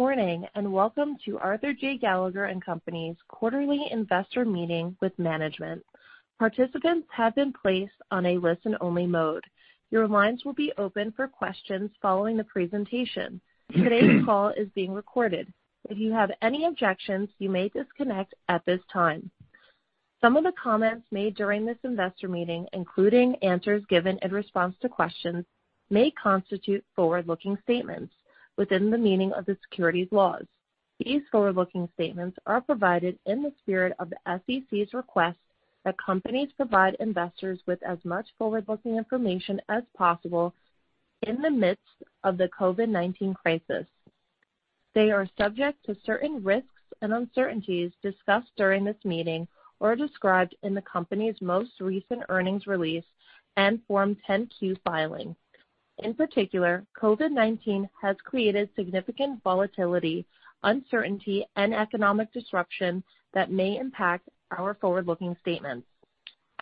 Good morning and welcome to Arthur J. Gallagher & Co.'s quarterly investor meeting with management. Participants have been placed on a listen-only mode. Your lines will be open for questions following the presentation. Today's call is being recorded. If you have any objections, you may disconnect at this time. Some of the comments made during this investor meeting, including answers given in response to questions, may constitute forward-looking statements within the meaning of the securities laws. These forward-looking statements are provided in the spirit of the SEC's request that companies provide investors with as much forward-looking information as possible in the midst of the COVID-19 crisis. They are subject to certain risks and uncertainties discussed during this meeting or described in the company's most recent earnings release and Form 10-Q filing. In particular, COVID-19 has created significant volatility, uncertainty, and economic disruption that may impact our forward-looking statements.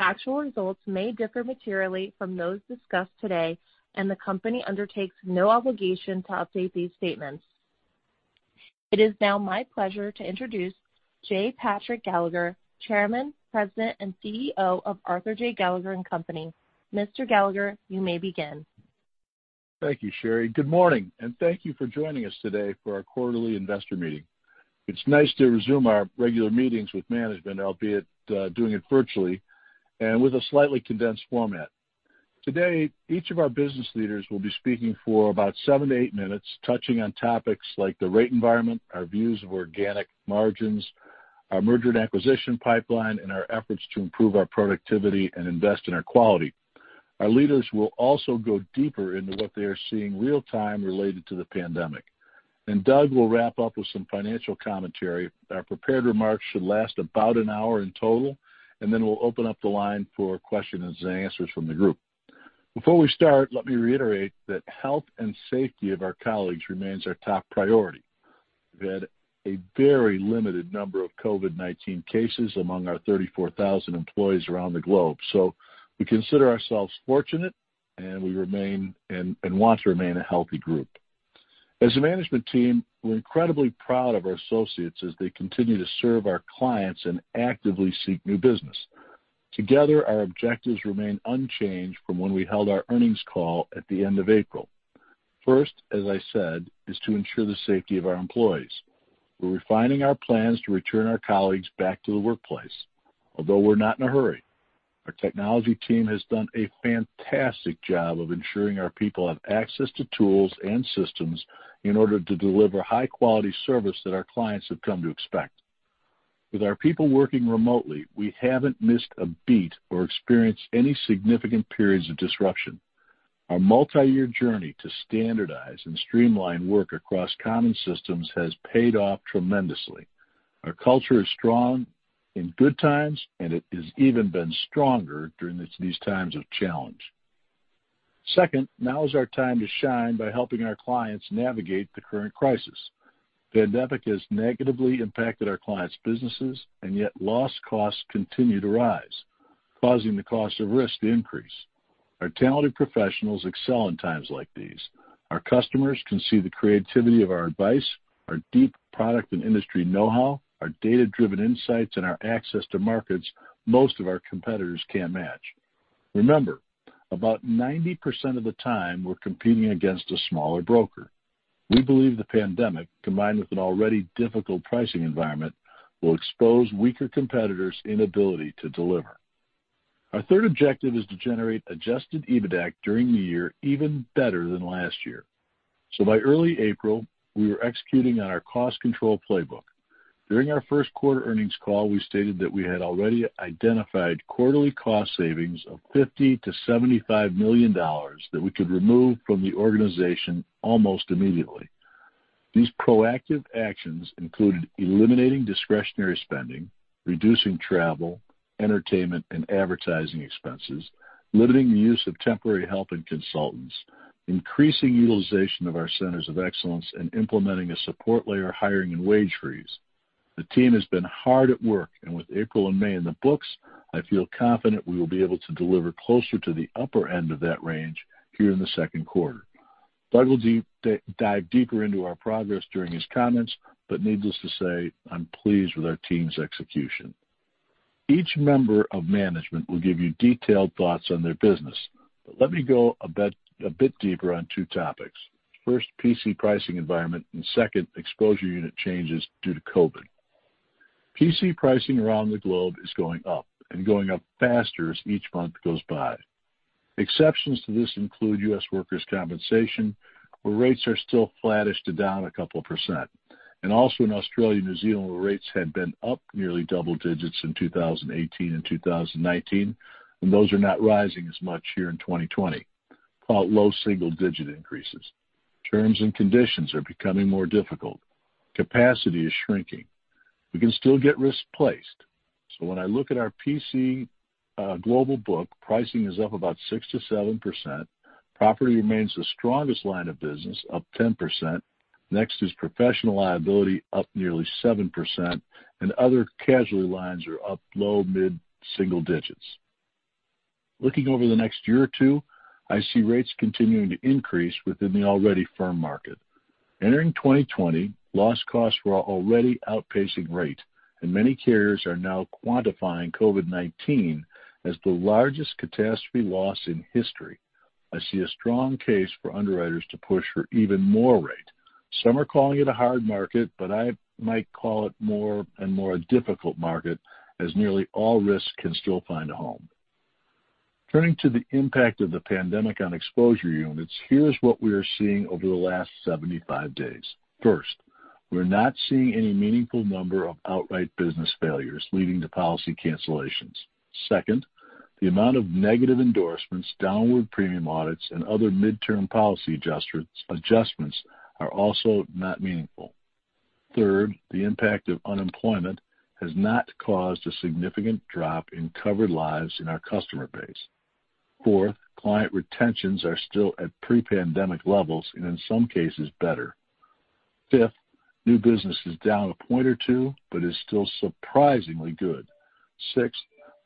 Actual results may differ materially from those discussed today, and the company undertakes no obligation to update these statements. It is now my pleasure to introduce J. Patrick Gallagher, Chairman, President, and CEO of Arthur J. Gallagher & Co. Mr. Gallagher, you may begin. Thank you, Sherry. Good morning, and thank you for joining us today for our quarterly investor meeting. It's nice to resume our regular meetings with management, albeit doing it virtually and with a slightly condensed format. Today, each of our business leaders will be speaking for about seven to eight minutes, touching on topics like the rate environment, our views of organic margins, our merger and acquisition pipeline, and our efforts to improve our productivity and invest in our quality. Our leaders will also go deeper into what they are seeing real-time related to the pandemic. Doug will wrap up with some financial commentary. Our prepared remarks should last about an hour in total, and then we'll open up the line for questions and answers from the group. Before we start, let me reiterate that the health and safety of our colleagues remains our top priority. We've had a very limited number of COVID-19 cases among our 34,000 employees around the globe, so we consider ourselves fortunate, and we remain and want to remain a healthy group. As a management team, we're incredibly proud of our associates as they continue to serve our clients and actively seek new business. Together, our objectives remain unchanged from when we held our earnings call at the end of April. First, as I said, is to ensure the safety of our employees. We're refining our plans to return our colleagues back to the workplace, although we're not in a hurry. Our technology team has done a fantastic job of ensuring our people have access to tools and systems in order to deliver high-quality service that our clients have come to expect. With our people working remotely, we haven't missed a beat or experienced any significant periods of disruption. Our multi-year journey to standardize and streamline work across common systems has paid off tremendously. Our culture is strong in good times, and it has even been stronger during these times of challenge. Second, now is our time to shine by helping our clients navigate the current crisis. The pandemic has negatively impacted our clients' businesses, and yet lost costs continue to rise, causing the cost of risk to increase. Our talented professionals excel in times like these. Our customers can see the creativity of our advice, our deep product and industry know-how, our data-driven insights, and our access to markets most of our competitors can't match. Remember, about 90% of the time we're competing against a smaller broker. We believe the pandemic, combined with an already difficult pricing environment, will expose weaker competitors' inability to deliver. Our third objective is to generate adjusted EBITDA during the year even better than last year. By early April, we were executing on our cost control playbook. During our first quarter earnings call, we stated that we had already identified quarterly cost savings of $50-$75 million that we could remove from the organization almost immediately. These proactive actions included eliminating discretionary spending, reducing travel, entertainment, and advertising expenses, limiting the use of temporary help and consultants, increasing utilization of our centers of excellence, and implementing a support layer hiring and wage freeze. The team has been hard at work, and with April and May in the books, I feel confident we will be able to deliver closer to the upper end of that range here in the second quarter. Doug will dive deeper into our progress during his comments, but needless to say, I'm pleased with our team's execution. Each member of management will give you detailed thoughts on their business, but let me go a bit deeper on two topics. First, PC pricing environment, and second, exposure unit changes due to COVID. PC pricing around the globe is going up and going up faster as each month goes by. Exceptions to this include U.S. workers' compensation, where rates are still flattish to down a couple percent. Also in Australia and New Zealand, where rates had been up nearly double digits in 2018 and 2019, and those are not rising as much here in 2020, called low single-digit increases. Terms and conditions are becoming more difficult. Capacity is shrinking. We can still get risk placed. When I look at our PC global book, pricing is up about 6-7%. Property remains the strongest line of business, up 10%. Next is professional liability, up nearly 7%, and other casualty lines are up low, mid, single digits. Looking over the next year or two, I see rates continuing to increase within the already firm market. Entering 2020, loss costs were already outpacing rate, and many carriers are now quantifying COVID-19 as the largest catastrophe loss in history. I see a strong case for underwriters to push for even more rate. Some are calling it a hard market, but I might call it more and more a difficult market as nearly all risks can still find a home. Turning to the impact of the pandemic on exposure units, here's what we are seeing over the last 75 days. First, we're not seeing any meaningful number of outright business failures leading to policy cancellations. Second, the amount of negative endorsements, downward premium audits, and other midterm policy adjustments are also not meaningful. Third, the impact of unemployment has not caused a significant drop in covered lives in our customer base. Fourth, client retentions are still at pre-pandemic levels and in some cases better. Fifth, new business is down a point or two, but is still surprisingly good. Sixth,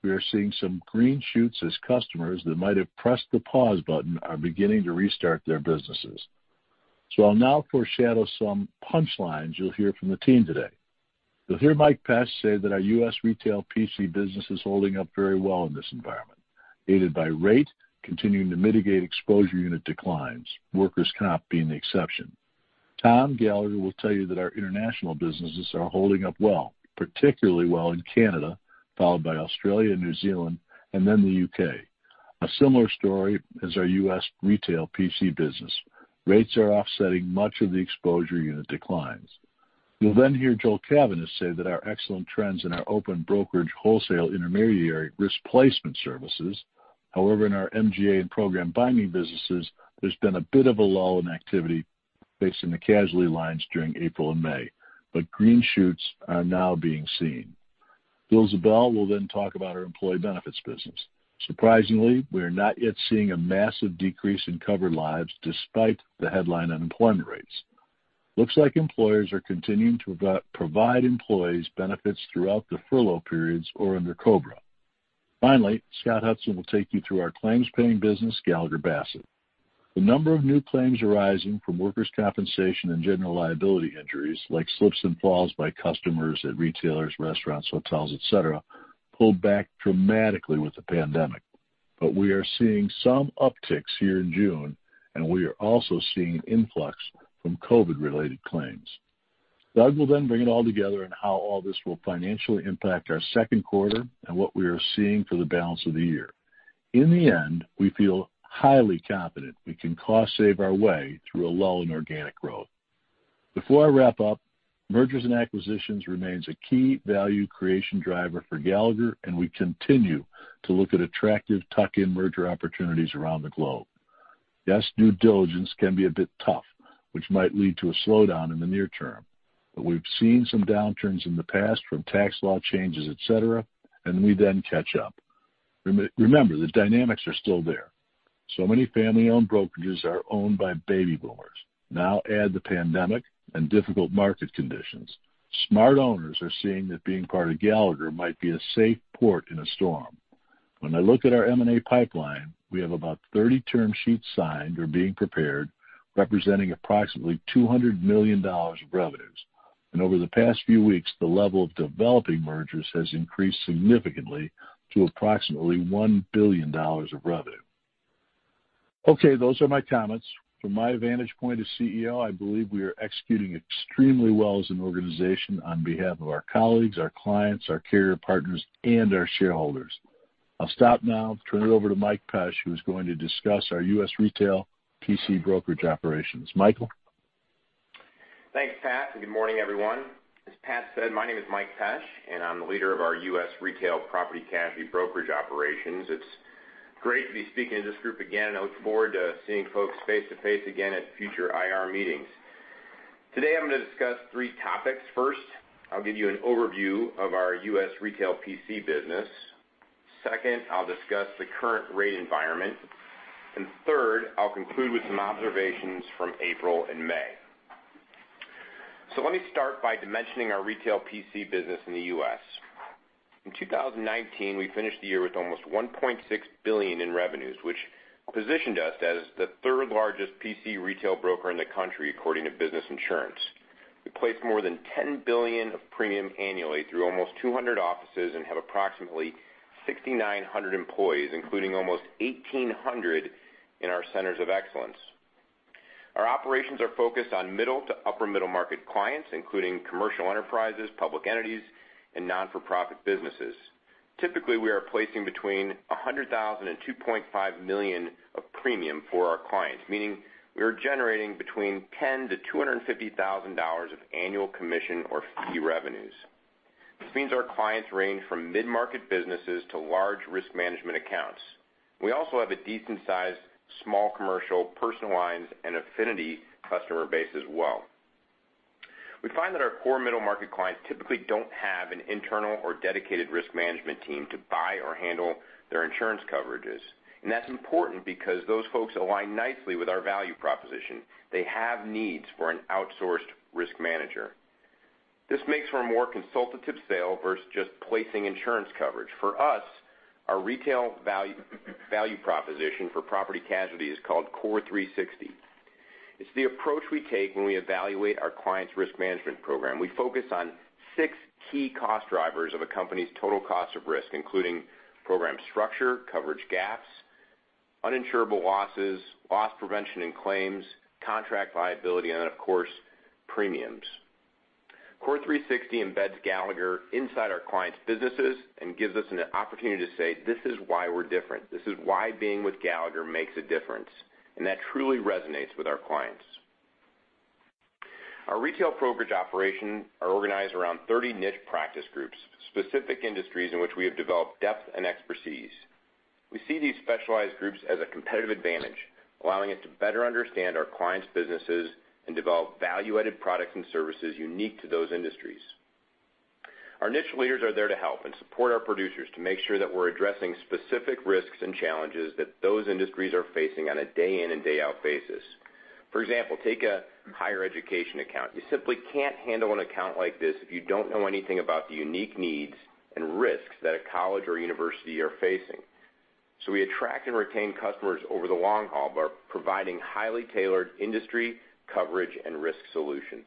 we are seeing some green shoots as customers that might have pressed the pause button are beginning to restart their businesses. I will now foreshadow some punchlines you'll hear from the team today. You'll hear Mike Pesch say that our U.S. retail PC business is holding up very well in this environment, aided by rate continuing to mitigate exposure unit declines. Workers' Comp being the exception. Tom Gallagher will tell you that our international businesses are holding up well, particularly well in Canada, followed by Australia and New Zealand, and then the U.K. A similar story is our U.S. retail PC business. Rates are offsetting much of the exposure unit declines. You'll then hear Joel Cavaness say that our excellent trends in our open brokerage wholesale intermediary Risk Placement Services. However, in our MGA program binding businesses, there's been a bit of a lull in activity based on the casualty lines during April and May, but green shoots are now being seen. Elizabeth Bell will then talk about our employee benefits business. Surprisingly, we are not yet seeing a massive decrease in covered lives despite the headline unemployment rates. Looks like employers are continuing to provide employees benefits throughout the furlough periods or under COBRA. Finally, Scott Hudson will take you through our claims paying business, Gallagher Bassett. The number of new claims arising from workers' compensation and general liability injuries, like slips and falls by customers at retailers, restaurants, hotels, etc., pulled back dramatically with the pandemic. We are seeing some upticks here in June, and we are also seeing an influx from COVID-related claims. Doug will then bring it all together and how all this will financially impact our second quarter and what we are seeing for the balance of the year. In the end, we feel highly confident we can cost save our way through a lull in organic growth. Before I wrap up, mergers and acquisitions remains a key value creation driver for Gallagher, and we continue to look at attractive tuck-in merger opportunities around the globe. Yes, due diligence can be a bit tough, which might lead to a slowdown in the near term, but we've seen some downturns in the past from tax law changes, etc., and we then catch up. Remember, the dynamics are still there. So many family-owned brokerages are owned by baby boomers. Now add the pandemic and difficult market conditions. Smart owners are seeing that being part of Gallagher might be a safe port in a storm. When I look at our M&A pipeline, we have about 30 term sheets signed or being prepared, representing approximately $200 million of revenues. And over the past few weeks, the level of developing mergers has increased significantly to approximately $1 billion of revenue. Okay, those are my comments. From my vantage point as CEO, I believe we are executing extremely well as an organization on behalf of our colleagues, our clients, our carrier partners, and our shareholders. I'll stop now, turn it over to Mike Pesch, who is going to discuss our U.S. retail PC brokerage operations. Michael. Thanks, Pat. Good morning, everyone. As Pat said, my name is Mike Pesch, and I'm the leader of our U.S. retail property casualty brokerage operations. It's great to be speaking to this group again, and I look forward to seeing folks face to face again at future IR meetings. Today, I'm going to discuss three topics. First, I'll give you an overview of our U.S. retail PC business. Second, I'll discuss the current rate environment. Third, I'll conclude with some observations from April and May. Let me start by dimensioning our retail PC business in the U.S. In 2019, we finished the year with almost $1.6 billion in revenues, which positioned us as the third largest PC retail broker in the country according to business insurance. We place more than $10 billion of premium annually through almost 200 offices and have approximately 6,900 employees, including almost 1,800 in our centers of excellence. Our operations are focused on middle to upper-middle market clients, including commercial enterprises, public entities, and non-for-profit businesses. Typically, we are placing between $100,000 and $2.5 million of premium for our clients, meaning we are generating between $10,000-$250,000 of annual commission or fee revenues. This means our clients range from mid-market businesses to large risk management accounts. We also have a decent-sized small commercial, personal lines, and affinity customer base as well. We find that our core middle market clients typically do not have an internal or dedicated risk management team to buy or handle their insurance coverages. That is important because those folks align nicely with our value proposition. They have needs for an outsourced risk manager. This makes for a more consultative sale versus just placing insurance coverage. For us, our retail value proposition for property casualty is called Core 360. It's the approach we take when we evaluate our clients' risk management program. We focus on six key cost drivers of a company's total cost of risk, including program structure, coverage gaps, uninsurable losses, loss prevention and claims, contract liability, and of course, premiums. Core 360 embeds Gallagher inside our clients' businesses and gives us an opportunity to say, "This is why we're different. This is why being with Gallagher makes a difference." That truly resonates with our clients. Our retail brokerage operations are organized around 30 niche practice groups, specific industries in which we have developed depth and expertise. We see these specialized groups as a competitive advantage, allowing us to better understand our clients' businesses and develop value-added products and services unique to those industries. Our niche leaders are there to help and support our producers to make sure that we're addressing specific risks and challenges that those industries are facing on a day-in and day-out basis. For example, take a higher education account. You simply can't handle an account like this if you don't know anything about the unique needs and risks that a college or university are facing. We attract and retain customers over the long haul by providing highly tailored industry coverage and risk solutions.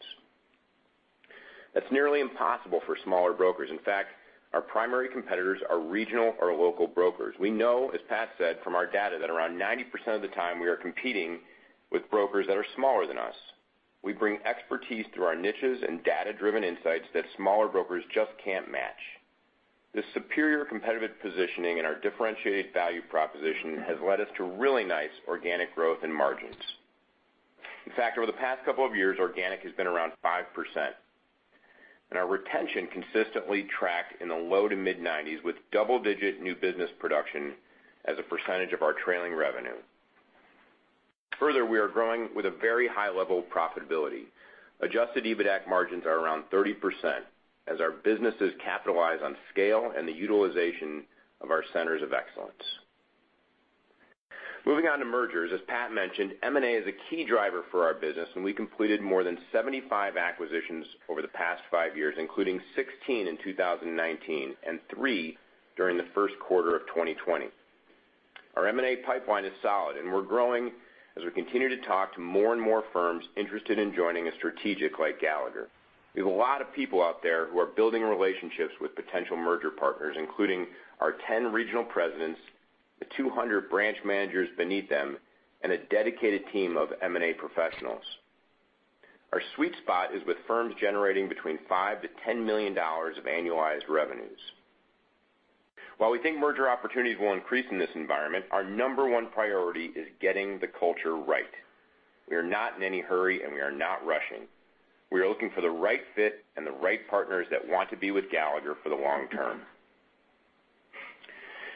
That's nearly impossible for smaller brokers. In fact, our primary competitors are regional or local brokers. We know, as Pat said from our data, that around 90% of the time we are competing with brokers that are smaller than us. We bring expertise through our niches and data-driven insights that smaller brokers just can't match. This superior competitive positioning and our differentiated value proposition has led us to really nice organic growth and margins. In fact, over the past couple of years, organic has been around 5%. And our retention consistently tracked in the low to mid-90s with double-digit new business production as a percentage of our trailing revenue. Further, we are growing with a very high level of profitability. Adjusted EBITDA margins are around 30% as our businesses capitalize on scale and the utilization of our centers of excellence. Moving on to mergers, as Pat mentioned, M&A is a key driver for our business, and we completed more than 75 acquisitions over the past five years, including 16 in 2019 and three during the first quarter of 2020. Our M&A pipeline is solid, and we're growing as we continue to talk to more and more firms interested in joining a strategic like Gallagher. We have a lot of people out there who are building relationships with potential merger partners, including our 10 regional presidents, the 200 branch managers beneath them, and a dedicated team of M&A professionals. Our sweet spot is with firms generating between $5 million-$10 million of annualized revenues. While we think merger opportunities will increase in this environment, our number one priority is getting the culture right. We are not in any hurry, and we are not rushing. We are looking for the right fit and the right partners that want to be with Gallagher for the long term.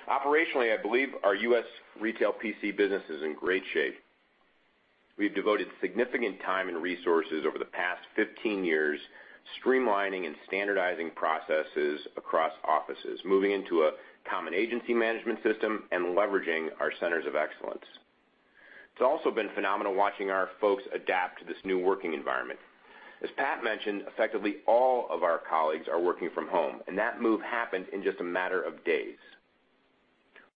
Operationally, I believe our U.S. retail PC business is in great shape. We've devoted significant time and resources over the past 15 years streamlining and standardizing processes across offices, moving into a common agency management system and leveraging our centers of excellence. It's also been phenomenal watching our folks adapt to this new working environment. As Pat mentioned, effectively all of our colleagues are working from home, and that move happened in just a matter of days.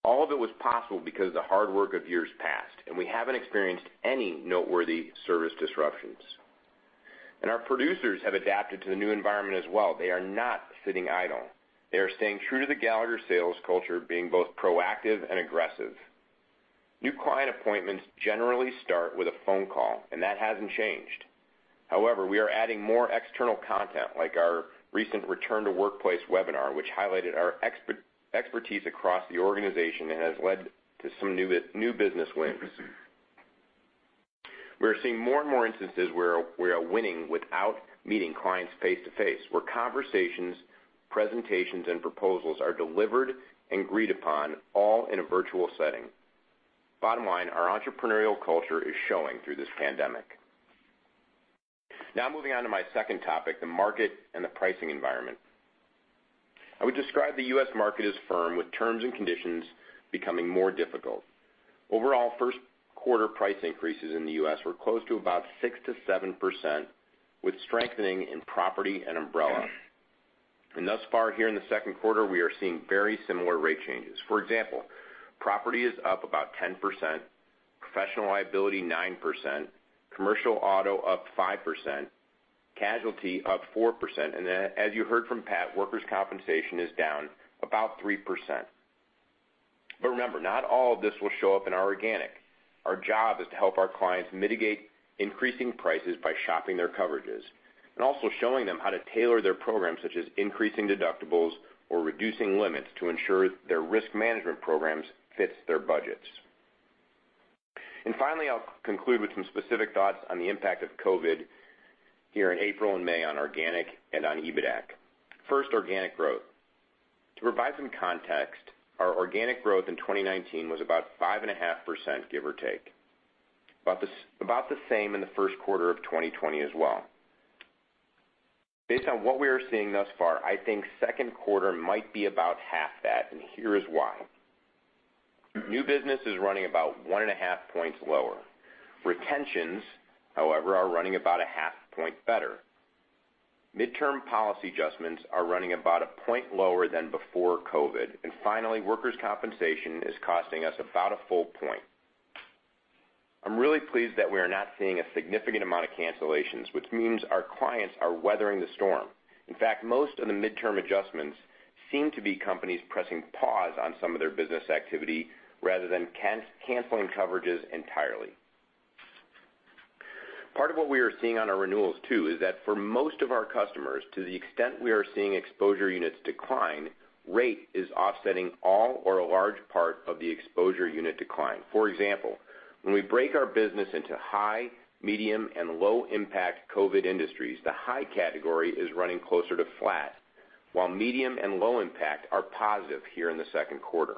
All of it was possible because of the hard work of years past, and we haven't experienced any noteworthy service disruptions. Our producers have adapted to the new environment as well. They are not sitting idle. They are staying true to the Gallagher sales culture, being both proactive and aggressive. New client appointments generally start with a phone call, and that has not changed. However, we are adding more external content, like our recent return to workplace webinar, which highlighted our expertise across the organization and has led to some new business wins. We are seeing more and more instances where we are winning without meeting clients face-to-face, where conversations, presentations, and proposals are delivered and agreed upon, all in a virtual setting. Bottom line, our entrepreneurial culture is showing through this pandemic. Now moving on to my second topic, the market and the pricing environment. I would describe the U.S. market as firm with terms and conditions becoming more difficult. Overall, first quarter price increases in the U.S. were close to about 6%-7%, with strengthening in property and umbrella. Thus far here in the second quarter, we are seeing very similar rate changes. For example, property is up about 10%, professional liability 9%, commercial auto up 5%, casualty up 4%. As you heard from Pat, workers' compensation is down about 3%. Remember, not all of this will show up in our organic. Our job is to help our clients mitigate increasing prices by shopping their coverages and also showing them how to tailor their programs, such as increasing deductibles or reducing limits to ensure their risk management programs fit their budgets. Finally, I'll conclude with some specific thoughts on the impact of COVID here in April and May on organic and on EBITDA. First, organic growth. To provide some context, our organic growth in 2019 was about 5.5%, give or take, about the same in the first quarter of 2020 as well. Based on what we are seeing thus far, I think second quarter might be about half that, and here is why. New business is running about one and a half points lower. Retentions, however, are running about a half point better. Midterm policy adjustments are running about a point lower than before COVID. Finally, workers' compensation is costing us about a full point. I'm really pleased that we are not seeing a significant amount of cancellations, which means our clients are weathering the storm. In fact, most of the midterm adjustments seem to be companies pressing pause on some of their business activity rather than canceling coverages entirely. Part of what we are seeing on our renewals, too, is that for most of our customers, to the extent we are seeing exposure units decline, rate is offsetting all or a large part of the exposure unit decline. For example, when we break our business into high, medium, and low-impact COVID industries, the high category is running closer to flat, while medium and low-impact are positive here in the second quarter.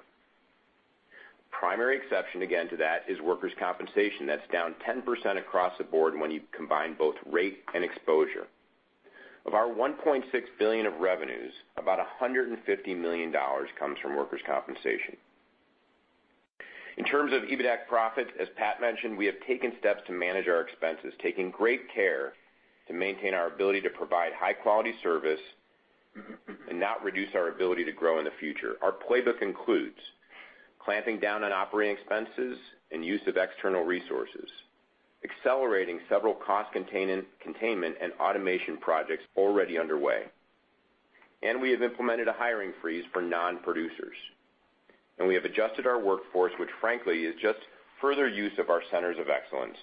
Primary exception again to that is workers' compensation. That's down 10% across the board when you combine both rate and exposure. Of our $1.6 billion of revenues, about $150 million comes from workers' compensation. In terms of EBITDA profits, as Pat mentioned, we have taken steps to manage our expenses, taking great care to maintain our ability to provide high-quality service and not reduce our ability to grow in the future. Our playbook includes clamping down on operating expenses and use of external resources, accelerating several cost containment and automation projects already underway. We have implemented a hiring freeze for non-producers. We have adjusted our workforce, which frankly is just further use of our centers of excellence,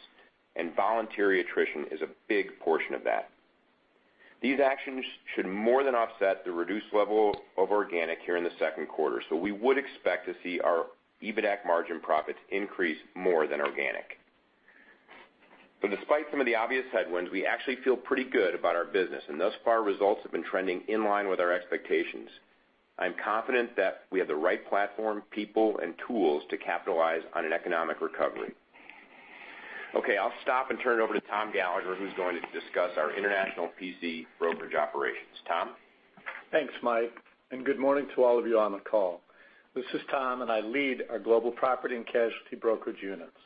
and voluntary attrition is a big portion of that. These actions should more than offset the reduced level of organic here in the second quarter. We would expect to see our EBITDA margin profits increase more than organic. Despite some of the obvious headwinds, we actually feel pretty good about our business, and thus far results have been trending in line with our expectations. I'm confident that we have the right platform, people, and tools to capitalize on an economic recovery. Okay, I'll stop and turn it over to Tom Gallagher, who's going to discuss our international PC brokerage operations. Tom? Thanks, Mike. Good morning to all of you on the call. This is Tom, and I lead our global property and casualty brokerage units.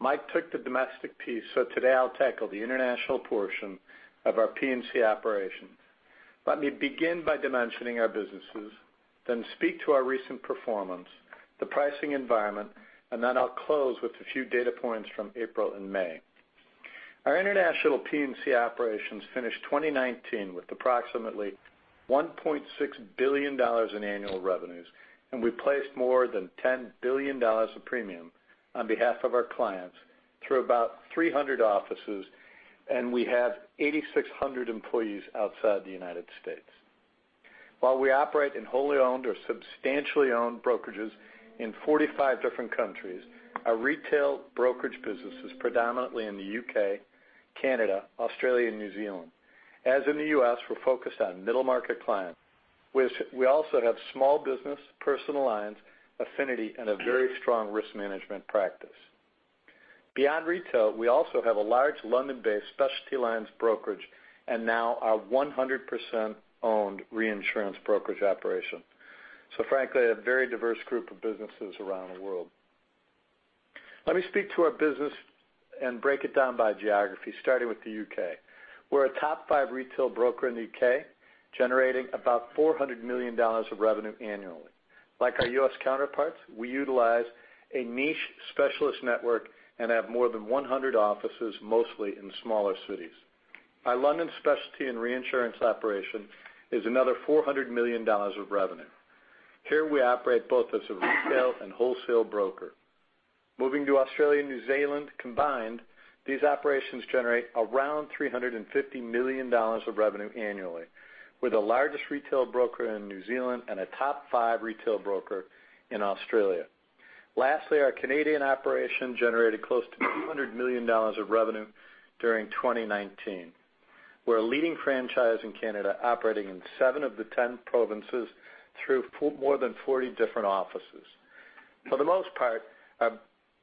Mike took the domestic piece, so today I'll tackle the international portion of our P&C operation. Let me begin by dimensioning our businesses, then speak to our recent performance, the pricing environment, and then I'll close with a few data points from April and May. Our international P&C operations finished 2019 with approximately $1.6 billion in annual revenues, and we placed more than $10 billion of premium on behalf of our clients through about 300 offices, and we have 8,600 employees outside the United States. While we operate in wholly owned or substantially owned brokerages in 45 different countries, our retail brokerage business is predominantly in the U.K., Canada, Australia, and New Zealand. As in the U.S., we're focused on middle market clients, which we also have small business, personal lines, affinity, and a very strong risk management practice. Beyond retail, we also have a large London-based specialty lines brokerage and now our 100% owned reinsurance brokerage operation. Frankly, a very diverse group of businesses around the world. Let me speak to our business and break it down by geography, starting with the U.K. We're a top five retail broker in the U.K., generating about $400 million of revenue annually. Like our U.S. counterparts, we utilize a niche specialist network and have more than 100 offices, mostly in smaller cities. Our London specialty and reinsurance operation is another $400 million of revenue. Here we operate both as a retail and wholesale broker. Moving to Australia and New Zealand combined, these operations generate around $350 million of revenue annually, with the largest retail broker in New Zealand and a top five retail broker in Australia. Lastly, our Canadian operation generated close to $200 million of revenue during 2019. We're a leading franchise in Canada, operating in seven of the 10 provinces through more than 40 different offices. For the most part,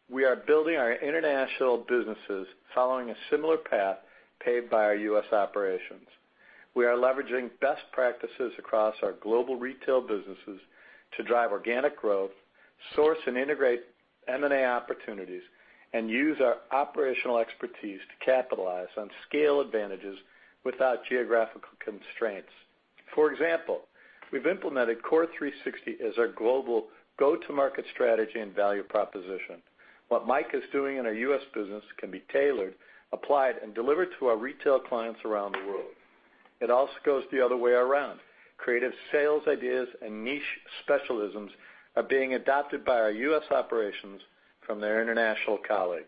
we are building our international businesses following a similar path paved by our U.S. operations. We are leveraging best practices across our global retail businesses to drive organic growth, source and integrate M&A opportunities, and use our operational expertise to capitalize on scale advantages without geographical constraints. For example, we've implemented Core 360 as our global go-to-market strategy and value proposition. What Mike is doing in our U.S. business can be tailored, applied, and delivered to our retail clients around the world. It also goes the other way around. Creative sales ideas and niche specialisms are being adopted by our U.S. operations from their international colleagues.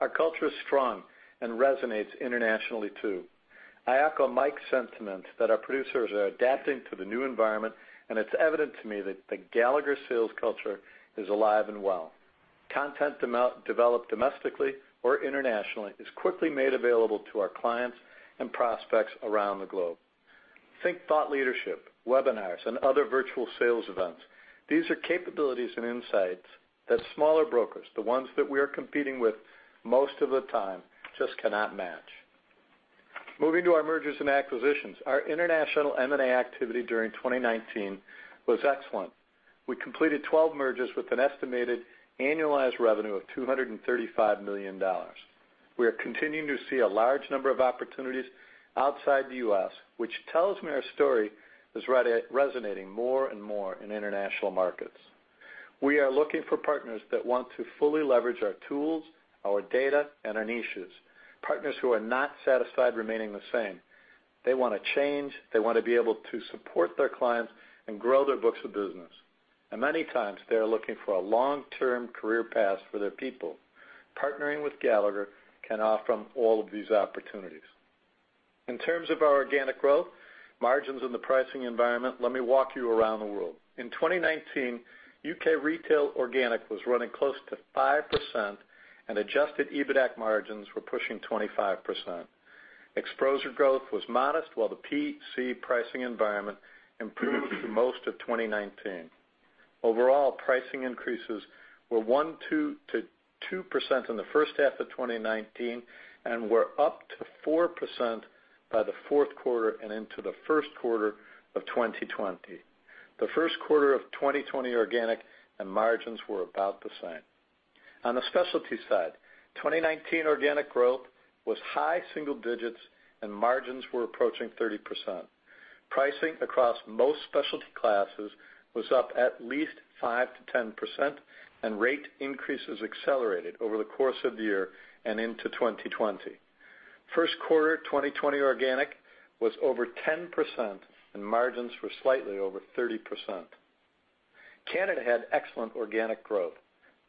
Our culture is strong and resonates internationally, too. I echo Mike's sentiments that our producers are adapting to the new environment, and it's evident to me that the Gallagher sales culture is alive and well. Content developed domestically or internationally is quickly made available to our clients and prospects around the globe. Think thought leadership, webinars, and other virtual sales events. These are capabilities and insights that smaller brokers, the ones that we are competing with most of the time, just cannot match. Moving to our mergers and acquisitions, our international M&A activity during 2019 was excellent. We completed 12 mergers with an estimated annualized revenue of $235 million. We are continuing to see a large number of opportunities outside the U.S., which tells me our story is resonating more and more in international markets. We are looking for partners that want to fully leverage our tools, our data, and our niches, partners who are not satisfied remaining the same. They want to change. They want to be able to support their clients and grow their books of business. Many times, they are looking for a long-term career path for their people. Partnering with Gallagher can offer them all of these opportunities. In terms of our organic growth, margins in the pricing environment, let me walk you around the world. In 2019, U.K. retail organic was running close to 5%, and adjusted EBITDA margins were pushing 25%. Exposure growth was modest, while the P&C pricing environment improved through most of 2019. Overall, pricing increases were 1-2% in the first half of 2019 and were up to 4% by the fourth quarter and into the first quarter of 2020. The first quarter of 2020 organic and margins were about the same. On the specialty side, 2019 organic growth was high single digits, and margins were approaching 30%. Pricing across most specialty classes was up at least 5-10%, and rate increases accelerated over the course of the year and into 2020. First quarter 2020 organic was over 10%, and margins were slightly over 30%. Canada had excellent organic growth,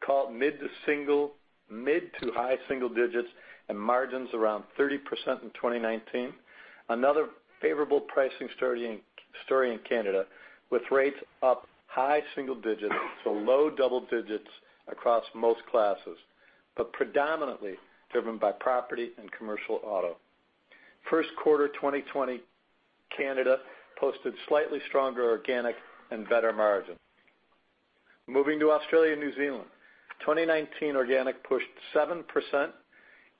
called mid to high single digits and margins around 30% in 2019. Another favorable pricing story in Canada with rates up high single digits to low double digits across most classes, but predominantly driven by property and commercial auto. First quarter 2020, Canada posted slightly stronger organic and better margins. Moving to Australia and New Zealand, 2019 organic pushed 7%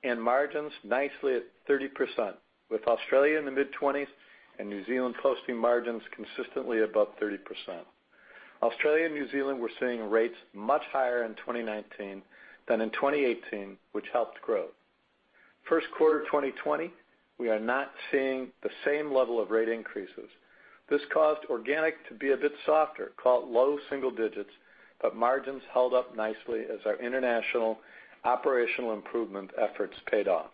and margins nicely at 30%, with Australia in the mid-20s and New Zealand posting margins consistently above 30%. Australia and New Zealand were seeing rates much higher in 2019 than in 2018, which helped growth. First quarter 2020, we are not seeing the same level of rate increases. This caused organic to be a bit softer, called low single digits, but margins held up nicely as our international operational improvement efforts paid off.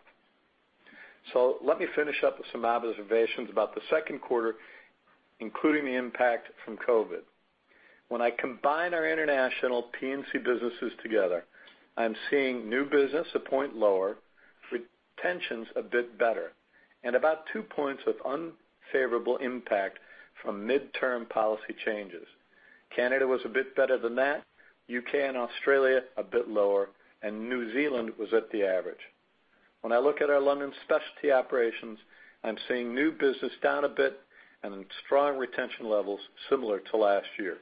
Let me finish up with some observations about the second quarter, including the impact from COVID. When I combine our international P&C businesses together, I'm seeing new business a point lower, retentions a bit better, and about two points of unfavorable impact from midterm policy changes. Canada was a bit better than that. U.K. and Australia a bit lower, and New Zealand was at the average. When I look at our London specialty operations, I'm seeing new business down a bit and strong retention levels similar to last year.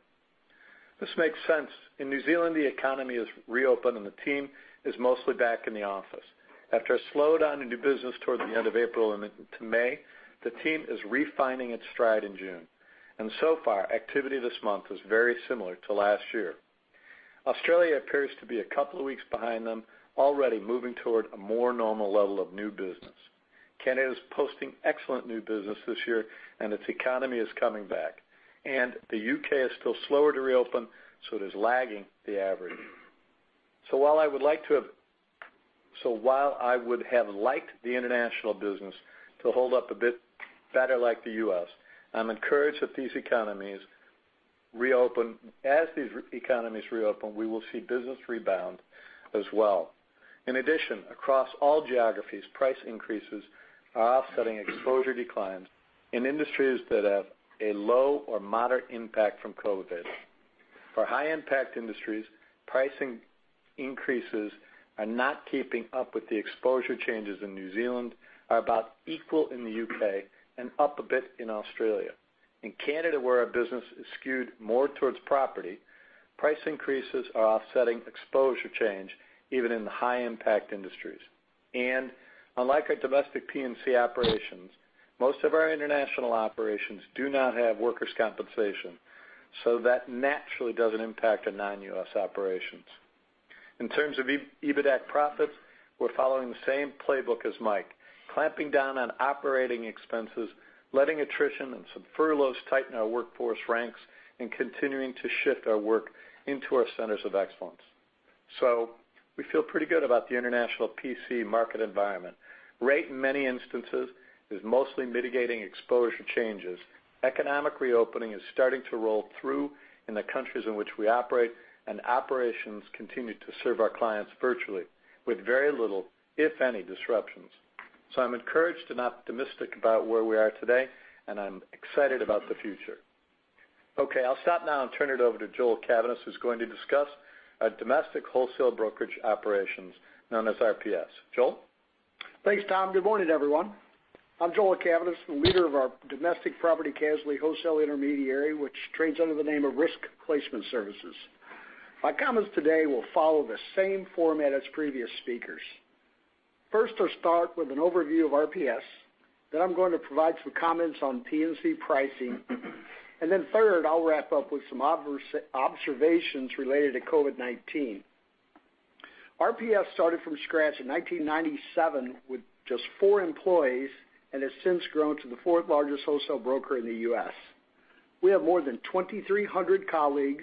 This makes sense. In New Zealand, the economy has reopened, and the team is mostly back in the office. After a slowdown in new business toward the end of April and into May, the team is refining its stride in June. Activity this month is very similar to last year. Australia appears to be a couple of weeks behind them, already moving toward a more normal level of new business. Canada is posting excellent new business this year, and its economy is coming back. The U.K. is still slower to reopen, so it is lagging the average. While I would have liked the international business to hold up a bit better like the U.S., I'm encouraged that as these economies reopen, we will see business rebound as well. In addition, across all geographies, price increases are offsetting exposure declines in industries that have a low or moderate impact from COVID. For high-impact industries, pricing increases are not keeping up with the exposure changes in New Zealand, are about equal in the U.K., and up a bit in Australia. In Canada, where our business is skewed more towards property, price increases are offsetting exposure change even in the high-impact industries. Unlike our domestic P&C operations, most of our international operations do not have workers' compensation, so that naturally doesn't impact our non-U.S. operations. In terms of EBITDA profits, we're following the same playbook as Mike, clamping down on operating expenses, letting attrition and some furloughs tighten our workforce ranks, and continuing to shift our work into our centers of excellence. We feel pretty good about the international PC market environment. Rate in many instances is mostly mitigating exposure changes. Economic reopening is starting to roll through in the countries in which we operate, and operations continue to serve our clients virtually with very little, if any, disruptions. I am encouraged and optimistic about where we are today, and I am excited about the future. Okay, I'll stop now and turn it over to Joel Cavaness, who's going to discuss our domestic wholesale brokerage operations known as RPS. Joel? Thanks, Tom. Good morning, everyone. I'm Joel Cavaness, the leader of our domestic property casualty wholesale intermediary, which trades under the name of Risk Placement Services. My comments today will follow the same format as previous speakers. First, I'll start with an overview of RPS, then I'm going to provide some comments on P&C pricing, and then third, I'll wrap up with some observations related to COVID-19. RPS started from scratch in 1997 with just four employees and has since grown to the fourth largest wholesale broker in the U.S. We have more than 2,300 colleagues.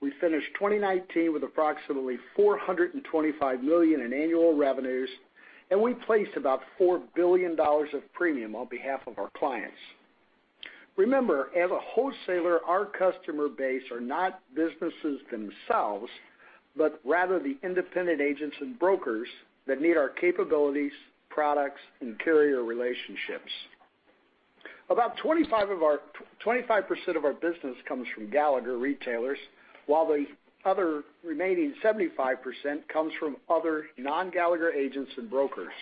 We finished 2019 with approximately $425 million in annual revenues, and we placed about $4 billion of premium on behalf of our clients. Remember, as a wholesaler, our customer base are not businesses themselves, but rather the independent agents and brokers that need our capabilities, products, and carrier relationships. About 25% of our business comes from Gallagher retailers, while the other remaining 75% comes from other non-Gallagher agents and brokers.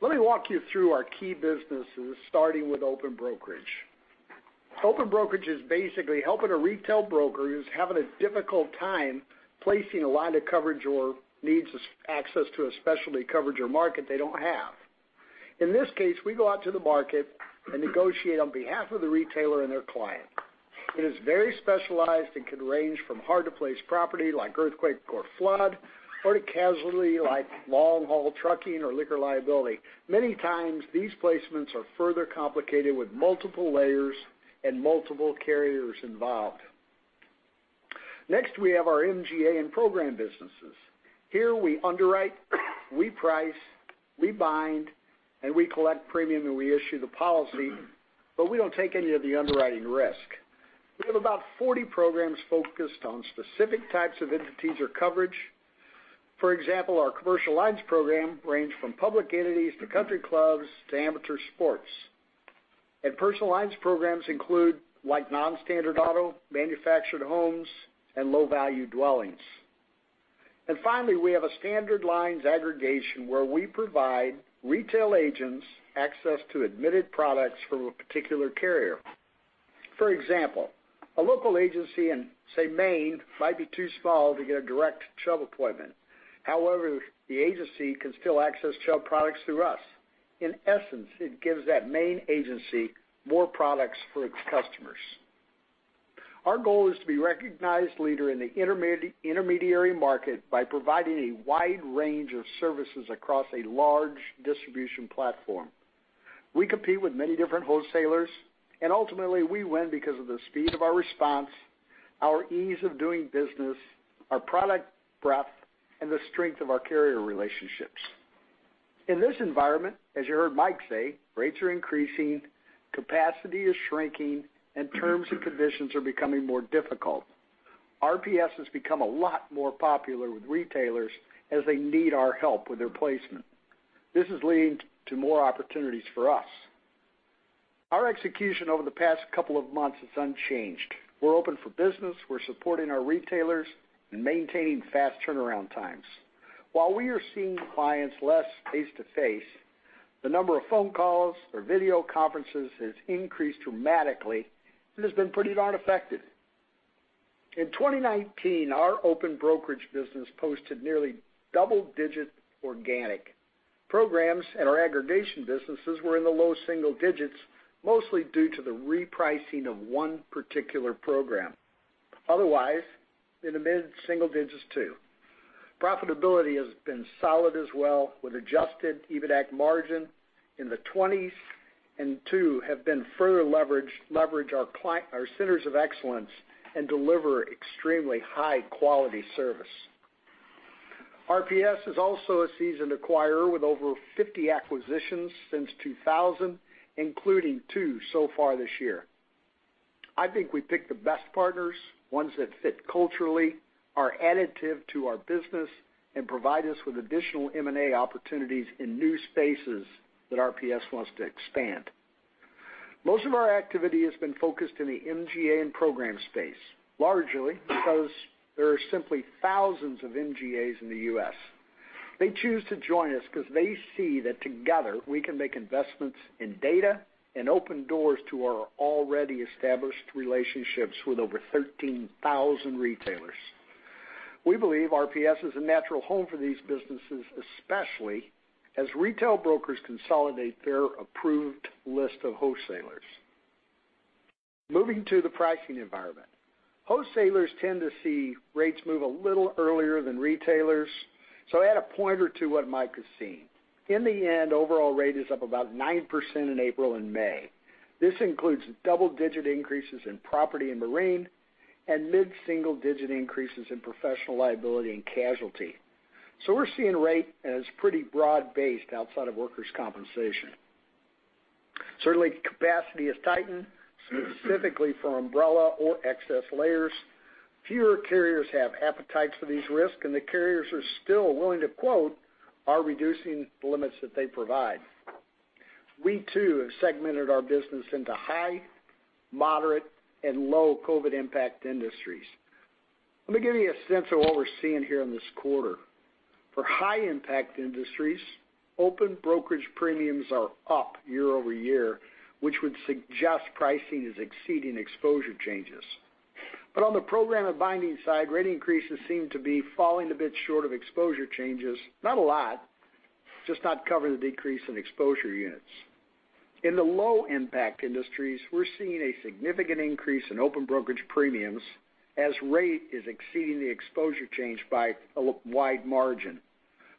Let me walk you through our key businesses, starting with open brokerage. Open brokerage is basically helping a retail broker who's having a difficult time placing a line of coverage or needs access to a specialty coverage or market they don't have. In this case, we go out to the market and negotiate on behalf of the retailer and their client. It is very specialized and can range from hard-to-place property like earthquake or flood or to casualty like long-haul trucking or liquor liability. Many times, these placements are further complicated with multiple layers and multiple carriers involved. Next, we have our MGA and program businesses. Here we underwrite, we price, we bind, and we collect premium, and we issue the policy, but we do not take any of the underwriting risk. We have about 40 programs focused on specific types of entities or coverage. For example, our commercial lines program ranges from public entities to country clubs to amateur sports. Personal lines programs include non-standard auto, manufactured homes, and low-value dwellings. Finally, we have a standard lines aggregation where we provide retail agents access to admitted products from a particular carrier. For example, a local agency in, say, Maine might be too small to get a direct shelf appointment. However, the agency can still access shelf products through us. In essence, it gives that Maine agency more products for its customers. Our goal is to be a recognized leader in the intermediary market by providing a wide range of services across a large distribution platform. We compete with many different wholesalers, and ultimately, we win because of the speed of our response, our ease of doing business, our product breadth, and the strength of our carrier relationships. In this environment, as you heard Mike say, rates are increasing, capacity is shrinking, and terms and conditions are becoming more difficult. RPS has become a lot more popular with retailers as they need our help with their placement. This is leading to more opportunities for us. Our execution over the past couple of months is unchanged. We're open for business. We're supporting our retailers and maintaining fast turnaround times. While we are seeing clients less face-to-face, the number of phone calls or video conferences has increased dramatically and has been pretty darn effective. In 2019, our open brokerage business posted nearly double-digit organic. Programs and our aggregation businesses were in the low single digits, mostly due to the repricing of one particular program. Otherwise, in the mid-single digits, too. Profitability has been solid as well, with adjusted EBITDA margin in the 20s and too have been further leverage our centers of excellence and deliver extremely high-quality service. RPS is also a seasoned acquirer with over 50 acquisitions since 2000, including two so far this year. I think we picked the best partners, ones that fit culturally, are additive to our business, and provide us with additional M&A opportunities in new spaces that RPS wants to expand. Most of our activity has been focused in the MGA program space, largely because there are simply thousands of MGAs in the U.S. They choose to join us because they see that together we can make investments in data and open doors to our already established relationships with over 13,000 retailers. We believe RPS is a natural home for these businesses, especially as retail brokers consolidate their approved list of wholesalers. Moving to the pricing environment. Wholesalers tend to see rates move a little earlier than retailers, so add a point or two to what Mike is seeing. In the end, overall rate is up about 9% in April and May. This includes double-digit increases in property and marine and mid-single digit increases in professional liability and casualty. We are seeing rate as pretty broad-based outside of workers' compensation. Certainly, capacity has tightened, specifically for umbrella or excess layers. Fewer carriers have appetite for these risks, and the carriers are still willing to quote are reducing limits that they provide. We too have segmented our business into high, moderate, and low COVID impact industries. Let me give you a sense of what we're seeing here in this quarter. For high-impact industries, open brokerage premiums are up year over year, which would suggest pricing is exceeding exposure changes. On the program and binding side, rate increases seem to be falling a bit short of exposure changes, not a lot, just not covering the decrease in exposure units. In the low-impact industries, we're seeing a significant increase in open brokerage premiums as rate is exceeding the exposure change by a wide margin,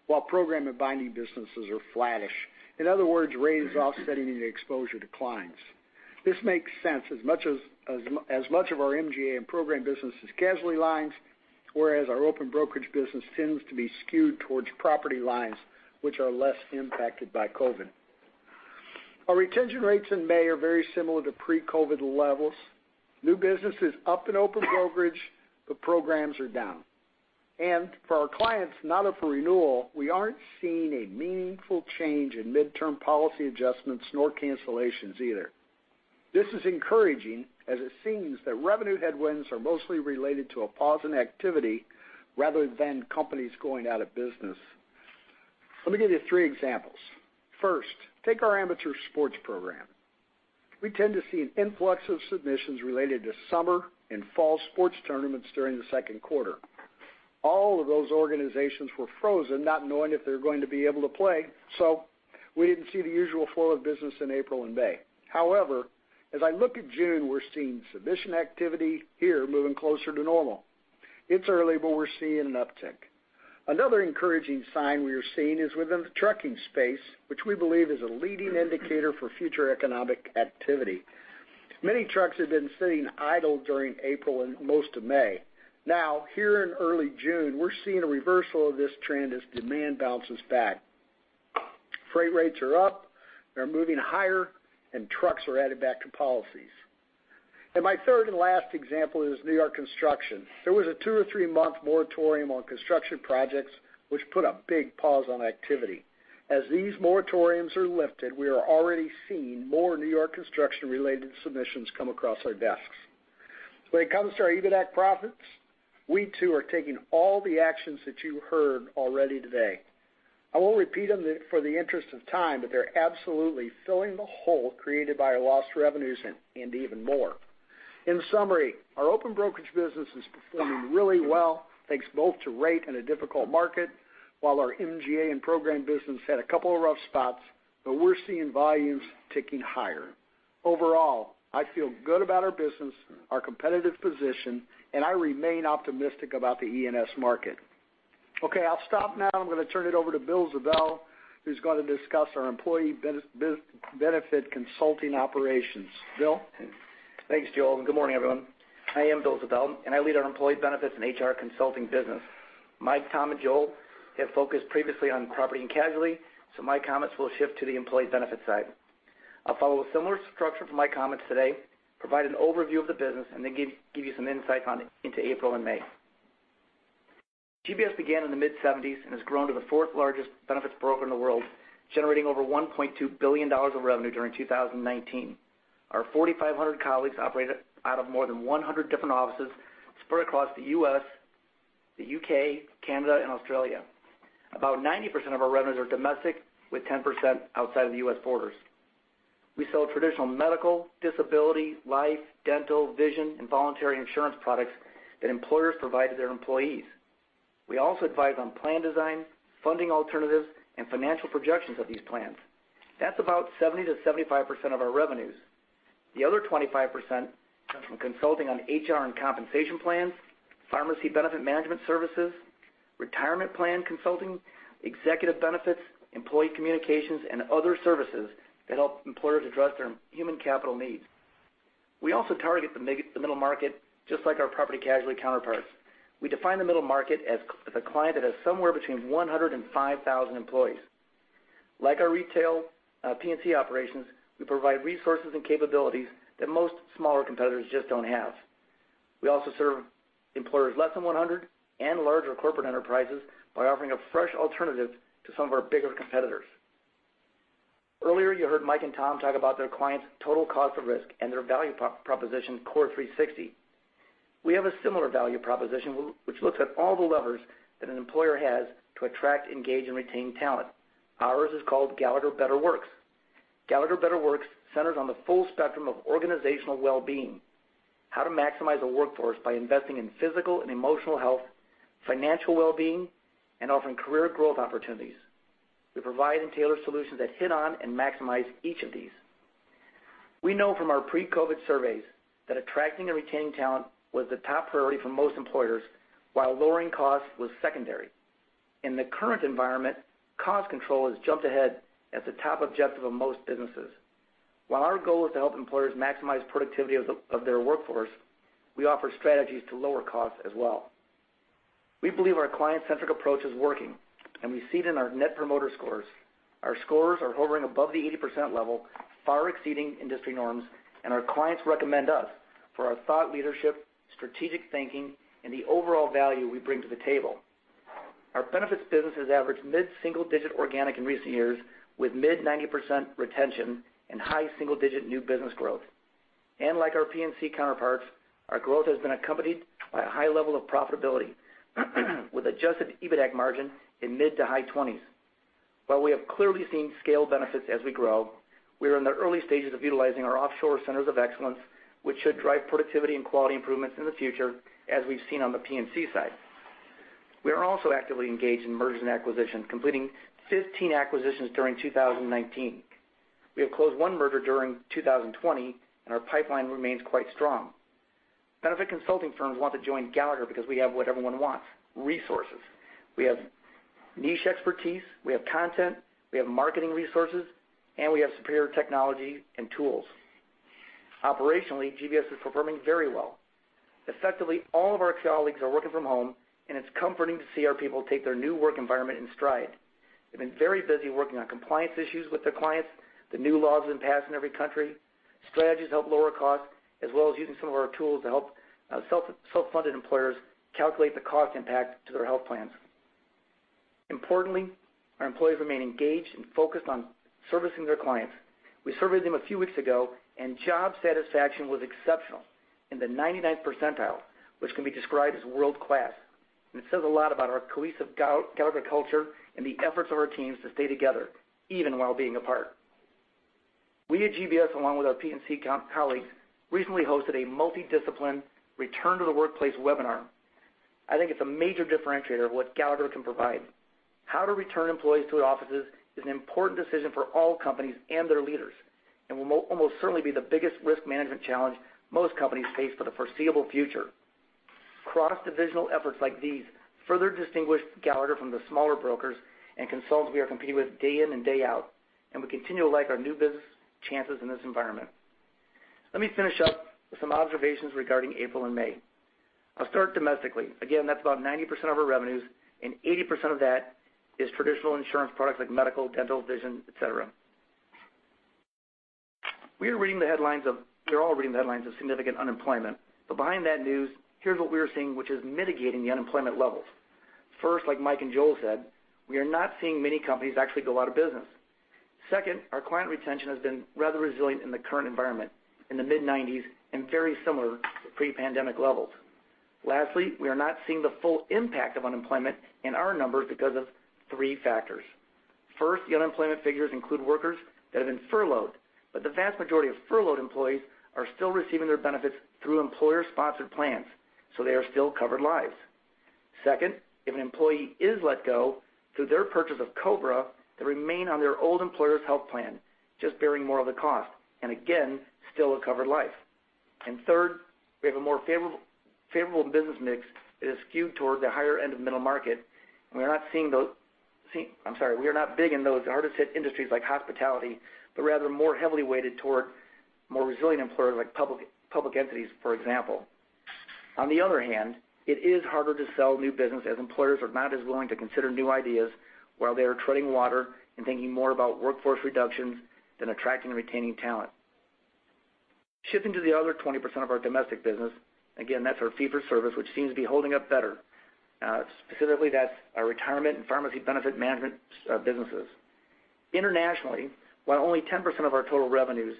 while program and binding businesses are flattish. In other words, rate is offsetting the exposure declines. This makes sense as much as much of our MGA program business is casualty lines, whereas our open brokerage business tends to be skewed towards property lines, which are less impacted by COVID. Our retention rates in May are very similar to pre-COVID levels. New business is up in open brokerage, but programs are down. For our clients, not up for renewal, we are not seeing a meaningful change in midterm policy adjustments nor cancellations either. This is encouraging as it seems that revenue headwinds are mostly related to a pause in activity rather than companies going out of business. Let me give you three examples. First, take our amateur sports program. We tend to see an influx of submissions related to summer and fall sports tournaments during the second quarter. All of those organizations were frozen, not knowing if they're going to be able to play, so we didn't see the usual flow of business in April and May. However, as I look at June, we're seeing submission activity here moving closer to normal. It's early, but we're seeing an uptick. Another encouraging sign we are seeing is within the trucking space, which we believe is a leading indicator for future economic activity. Many trucks have been sitting idle during April and most of May. Now, here in early June, we're seeing a reversal of this trend as demand bounces back. Freight rates are up, they're moving higher, and trucks are added back to policies. My third and last example is New York construction. There was a two or three-month moratorium on construction projects, which put a big pause on activity. As these moratoriums are lifted, we are already seeing more New York construction-related submissions come across our desks. When it comes to our EBITDA profits, we too are taking all the actions that you heard already today. I won't repeat them for the interest of time, but they're absolutely filling the hole created by our lost revenues and even more. In summary, our open brokerage business is performing really well, thanks both to rate and a difficult market, while our MGA and program business had a couple of rough spots, but we're seeing volumes ticking higher. Overall, I feel good about our business, our competitive position, and I remain optimistic about the E&S market. Okay, I'll stop now. I'm going to turn it over to Bill Ziebell, who's going to discuss our employee benefit consulting operations. Bill? Thanks, Joel. Good morning, everyone. I am Bill Ziebell, and I lead our employee benefits and HR consulting business. Mike, Tom, and Joel have focused previously on property and casualty, so my comments will shift to the employee benefit side. I'll follow a similar structure for my comments today, provide an overview of the business, and then give you some insights into April and May. GBS began in the mid-1970s and has grown to the fourth largest benefits broker in the world, generating over $1.2 billion of revenue during 2019. Our 4,500 colleagues operate out of more than 100 different offices spread across the U.S., the U.K., Canada, and Australia. About 90% of our revenues are domestic, with 10% outside of the U.S. borders. We sell traditional medical, disability, life, dental, vision, and voluntary insurance products that employers provide to their employees. We also advise on plan design, funding alternatives, and financial projections of these plans. That's about 70%-75% of our revenues. The other 25% comes from consulting on HR and compensation plans, pharmacy benefit management services, retirement plan consulting, executive benefits, employee communications, and other services that help employers address their human capital needs. We also target the middle market, just like our property casualty counterparts. We define the middle market as a client that has somewhere between 100 and 5,000 employees. Like our retail P&C operations, we provide resources and capabilities that most smaller competitors just don't have. We also serve employers less than 100 and larger corporate enterprises by offering a fresh alternative to some of our bigger competitors. Earlier, you heard Mike and Tom talk about their client's total cost of risk and their value proposition, Core 360. We have a similar value proposition, which looks at all the levers that an employer has to attract, engage, and retain talent. Ours is called Gallagher Better Works. Gallagher Better Works centers on the full spectrum of organizational well-being, how to maximize a workforce by investing in physical and emotional health, financial well-being, and offering career growth opportunities. We provide and tailor solutions that hit on and maximize each of these. We know from our pre-COVID surveys that attracting and retaining talent was the top priority for most employers, while lowering costs was secondary. In the current environment, cost control has jumped ahead as the top objective of most businesses. While our goal is to help employers maximize productivity of their workforce, we offer strategies to lower costs as well. We believe our client-centric approach is working, and we see it in our net promoter scores. Our scores are hovering above the 80% level, far exceeding industry norms, and our clients recommend us for our thought leadership, strategic thinking, and the overall value we bring to the table. Our benefits business has averaged mid-single digit organic in recent years, with mid-90% retention and high single-digit new business growth. Like our P&C counterparts, our growth has been accompanied by a high level of profitability, with adjusted EBITDA margin in the mid to high 20s. While we have clearly seen scaled benefits as we grow, we are in the early stages of utilizing our offshore centers of excellence, which should drive productivity and quality improvements in the future, as we have seen on the P&C side. We are also actively engaged in mergers and acquisitions, completing 15 acquisitions during 2019. We have closed one merger during 2020, and our pipeline remains quite strong. Benefit consulting firms want to join Gallagher because we have what everyone wants: resources. We have niche expertise, we have content, we have marketing resources, and we have superior technology and tools. Operationally, GBS is performing very well. Effectively, all of our colleagues are working from home, and it's comforting to see our people take their new work environment in stride. They've been very busy working on compliance issues with their clients, the new laws in pass in every country, strategies to help lower costs, as well as using some of our tools to help self-funded employers calculate the cost impact to their health plans. Importantly, our employees remain engaged and focused on servicing their clients. We surveyed them a few weeks ago, and job satisfaction was exceptional in the 99th percentile, which can be described as world-class. It says a lot about our cohesive Gallagher culture and the efforts of our teams to stay together, even while being apart. We at GBS, along with our P&C colleagues, recently hosted a multidisciplined return-to-the-workplace webinar. I think it's a major differentiator of what Gallagher can provide. How to return employees to our offices is an important decision for all companies and their leaders, and will almost certainly be the biggest risk management challenge most companies face for the foreseeable future. Cross-divisional efforts like these further distinguish Gallagher from the smaller brokers and consultants we are competing with day in and day out, and we continue to like our new business chances in this environment. Let me finish up with some observations regarding April and May. I'll start domestically. Again, that's about 90% of our revenues, and 80% of that is traditional insurance products like medical, dental, vision, etc. We are all reading the headlines of significant unemployment. Behind that news, here is what we are seeing, which is mitigating the unemployment levels. First, like Mike and Joel said, we are not seeing many companies actually go out of business. Second, our client retention has been rather resilient in the current environment, in the mid-90%, and very similar to pre-pandemic levels. Lastly, we are not seeing the full impact of unemployment in our numbers because of three factors. First, the unemployment figures include workers that have been furloughed, but the vast majority of furloughed employees are still receiving their benefits through employer-sponsored plans, so they are still covered lives. Second, if an employee is let go through their purchase of COBRA, they remain on their old employer's health plan, just bearing more of the cost, and again, still a covered life. Third, we have a more favorable business mix that is skewed toward the higher end of the middle market, and we are not seeing the—I am sorry, we are not big in those hardest-hit industries like hospitality, but rather more heavily weighted toward more resilient employers like public entities, for example. On the other hand, it is harder to sell new business as employers are not as willing to consider new ideas while they are treading water and thinking more about workforce reductions than attracting and retaining talent. Shifting to the other 20% of our domestic business, again, that is our fee-for-service, which seems to be holding up better. Specifically, that is our retirement and pharmacy benefit management businesses. Internationally, while only 10% of our total revenues,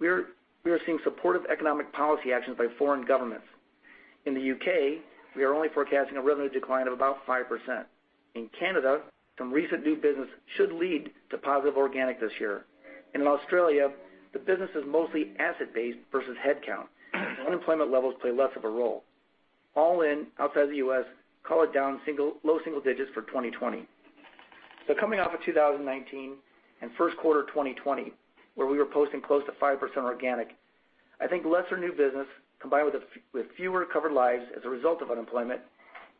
we are seeing supportive economic policy actions by foreign governments. In the U.K., we are only forecasting a revenue decline of about 5%. In Canada, some recent new business should lead to positive organic this year. In Australia, the business is mostly asset-based versus headcount, so unemployment levels play less of a role. All in, outside of the U.S., call it down low single digits for 2020. Coming off of 2019 and first quarter 2020, where we were posting close to 5% organic, I think lesser new business combined with fewer covered lives as a result of unemployment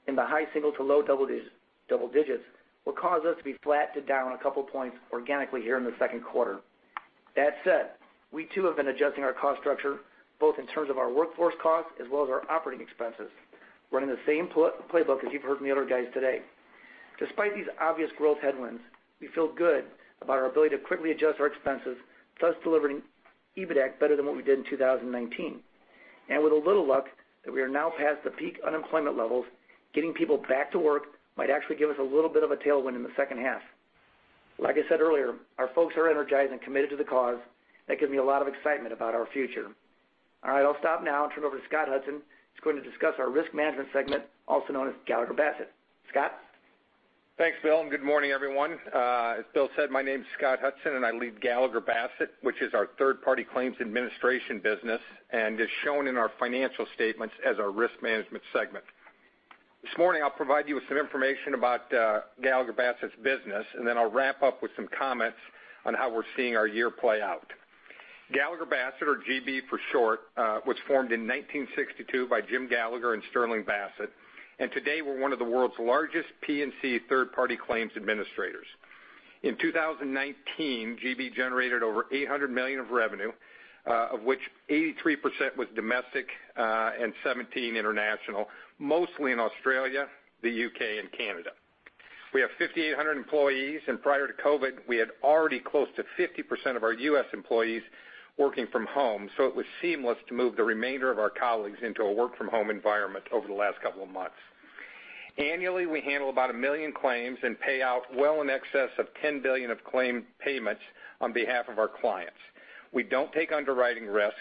in the high single to low double digits will cause us to be flat to down a couple of points organically here in the second quarter. That said, we too have been adjusting our cost structure, both in terms of our workforce costs as well as our operating expenses, running the same playbook as you've heard from the other guys today. Despite these obvious growth headwinds, we feel good about our ability to quickly adjust our expenses, thus delivering EBITDA better than what we did in 2019. With a little luck that we are now past the peak unemployment levels, getting people back to work might actually give us a little bit of a tailwind in the second half. Like I said earlier, our folks are energized and committed to the cause. That gives me a lot of excitement about our future. All right, I'll stop now and turn it over to Scott Hudson. He's going to discuss our risk management segment, also known as Gallagher Bassett. Scott? Thanks, Bill. Good morning, everyone. As Bill said, my name is Scott Hudson, and I lead Gallagher Bassett, which is our third-party claims administration business and is shown in our financial statements as our risk management segment. This morning, I'll provide you with some information about Gallagher Bassett's business, and then I'll wrap up with some comments on how we're seeing our year play out. Gallagher Bassett, or GB for short, was formed in 1962 by Jim Gallagher and Sterling Bassett, and today we're one of the world's largest P&C third-party claims administrators. In 2019, GB generated over $800 million of revenue, of which 83% was domestic and 17% international, mostly in Australia, the U.K., and Canada. We have 5,800 employees, and prior to COVID, we had already close to 50% of our U.S. employees working from home, so it was seamless to move the remainder of our colleagues into a work-from-home environment over the last couple of months. Annually, we handle about a million claims and pay out well in excess of $10 billion of claim payments on behalf of our clients. We do not take underwriting risk,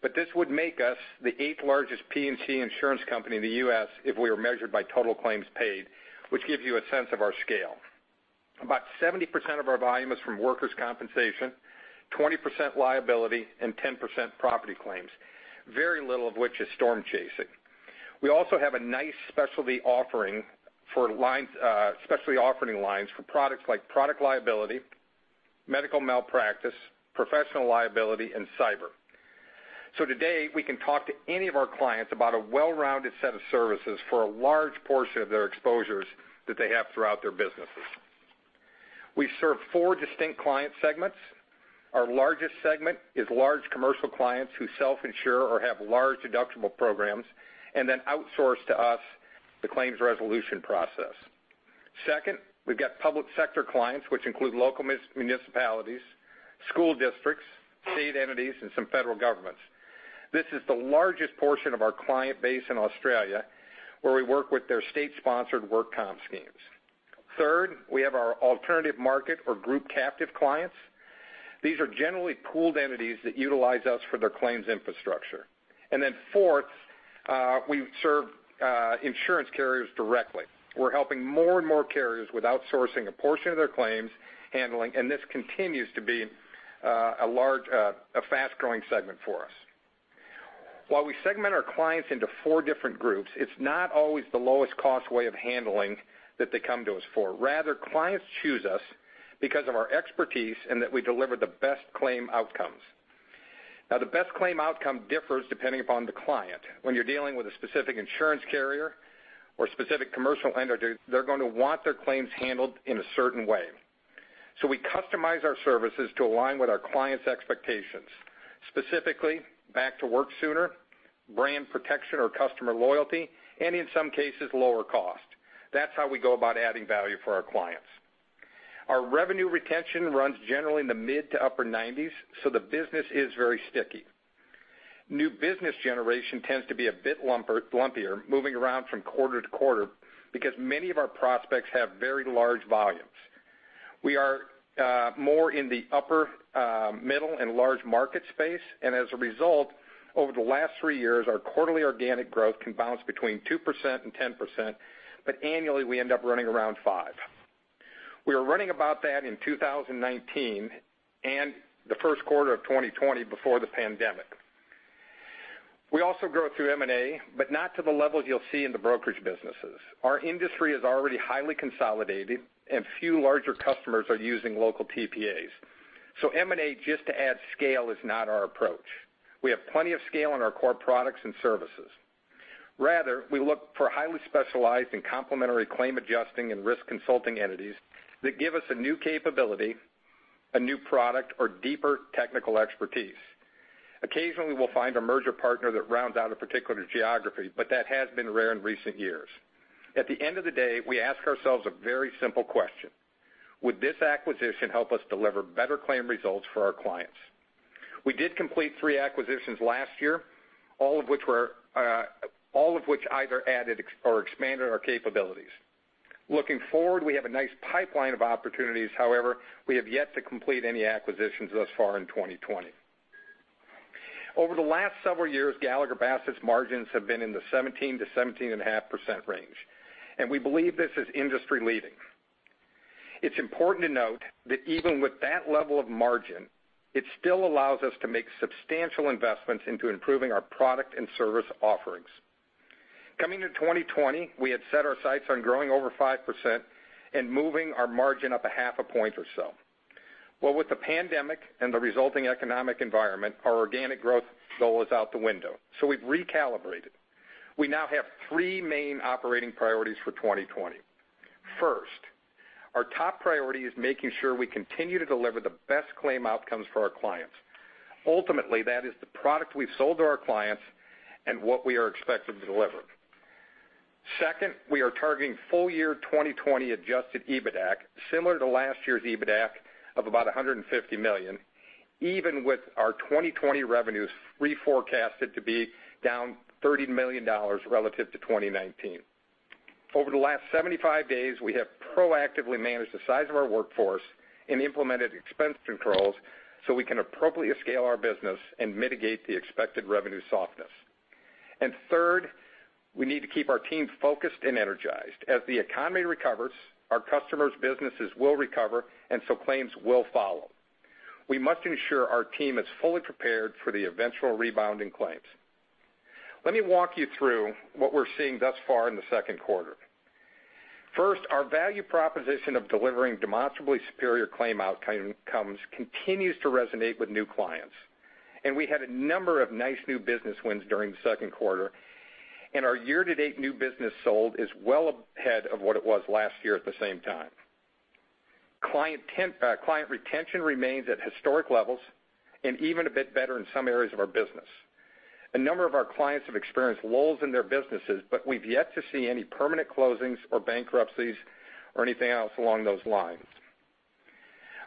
but this would make us the eighth-largest P&C insurance company in the U.S. if we were measured by total claims paid, which gives you a sense of our scale. About 70% of our volume is from workers' compensation, 20% liability, and 10% property claims, very little of which is storm chasing. We also have a nice specialty offering for lines for products like product liability, medical malpractice, professional liability, and cyber. Today, we can talk to any of our clients about a well-rounded set of services for a large portion of their exposures that they have throughout their businesses. We serve four distinct client segments. Our largest segment is large commercial clients who self-insure or have large deductible programs and then outsource to us the claims resolution process. Second, we've got public sector clients, which include local municipalities, school districts, state entities, and some federal governments. This is the largest portion of our client base in Australia, where we work with their state-sponsored work comp schemes. Third, we have our alternative market or group captive clients. These are generally pooled entities that utilize us for their claims infrastructure. Fourth, we serve insurance carriers directly. We're helping more and more carriers with outsourcing a portion of their claims handling, and this continues to be a fast-growing segment for us. While we segment our clients into four different groups, it's not always the lowest-cost way of handling that they come to us for. Rather, clients choose us because of our expertise and that we deliver the best claim outcomes. Now, the best claim outcome differs depending upon the client. When you're dealing with a specific insurance carrier or specific commercial entity, they're going to want their claims handled in a certain way. We customize our services to align with our clients' expectations, specifically back-to-work sooner, brand protection or customer loyalty, and in some cases, lower cost. That's how we go about adding value for our clients. Our revenue retention runs generally in the mid to upper 90s, so the business is very sticky. New business generation tends to be a bit lumpier, moving around from quarter to quarter because many of our prospects have very large volumes. We are more in the upper, middle, and large market space, and as a result, over the last three years, our quarterly organic growth can bounce between 2% and 10%, but annually, we end up running around 5%. We were running about that in 2019 and the first quarter of 2020 before the pandemic. We also grow through M&A, but not to the levels you'll see in the brokerage businesses. Our industry is already highly consolidated, and few larger customers are using local TPAs. M&A just to add scale is not our approach. We have plenty of scale in our core products and services. Rather, we look for highly specialized and complementary claim adjusting and risk consulting entities that give us a new capability, a new product, or deeper technical expertise. Occasionally, we'll find a merger partner that rounds out a particular geography, but that has been rare in recent years. At the end of the day, we ask ourselves a very simple question: Would this acquisition help us deliver better claim results for our clients? We did complete three acquisitions last year, all of which either added or expanded our capabilities. Looking forward, we have a nice pipeline of opportunities, however, we have yet to complete any acquisitions thus far in 2020. Over the last several years, Gallagher Bassett's margins have been in the 17-17.5% range, and we believe this is industry-leading. It's important to note that even with that level of margin, it still allows us to make substantial investments into improving our product and service offerings. Coming to 2020, we had set our sights on growing over 5% and moving our margin up a half a point or so. With the pandemic and the resulting economic environment, our organic growth goal is out the window, so we've recalibrated. We now have three main operating priorities for 2020. First, our top priority is making sure we continue to deliver the best claim outcomes for our clients. Ultimately, that is the product we've sold to our clients and what we are expected to deliver. Second, we are targeting full-year 2020 adjusted EBITDA, similar to last year's EBITDA of about $150 million, even with our 2020 revenues reforecasted to be down $30 million relative to 2019. Over the last 75 days, we have proactively managed the size of our workforce and implemented expense controls so we can appropriately scale our business and mitigate the expected revenue softness. Third, we need to keep our team focused and energized. As the economy recovers, our customers' businesses will recover, and claims will follow. We must ensure our team is fully prepared for the eventual rebound in claims. Let me walk you through what we're seeing thus far in the second quarter. First, our value proposition of delivering demonstrably superior claim outcomes continues to resonate with new clients. We had a number of nice new business wins during the second quarter, and our year-to-date new business sold is well ahead of what it was last year at the same time. Client retention remains at historic levels and even a bit better in some areas of our business. A number of our clients have experienced lulls in their businesses, but we've yet to see any permanent closings or bankruptcies or anything else along those lines.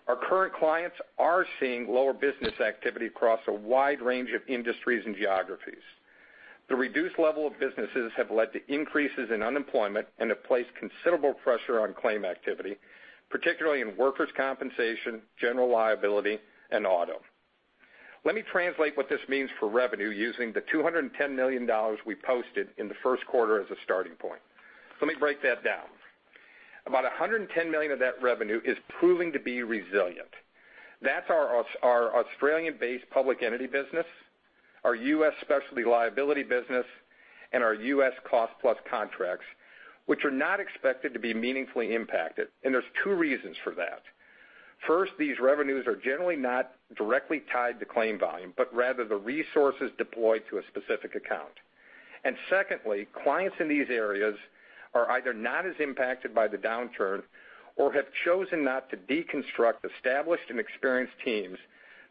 Our current clients are seeing lower business activity across a wide range of industries and geographies. The reduced level of businesses has led to increases in unemployment and has placed considerable pressure on claim activity, particularly in workers' compensation, general liability, and auto. Let me translate what this means for revenue using the $210 million we posted in the first quarter as a starting point. Let me break that down. About $110 million of that revenue is proving to be resilient. That's our Australian-based public entity business, our U.S. specialty liability business, and our U.S. cost-plus contracts, which are not expected to be meaningfully impacted, and there's two reasons for that. First, these revenues are generally not directly tied to claim volume, but rather the resources deployed to a specific account. Clients in these areas are either not as impacted by the downturn or have chosen not to deconstruct established and experienced teams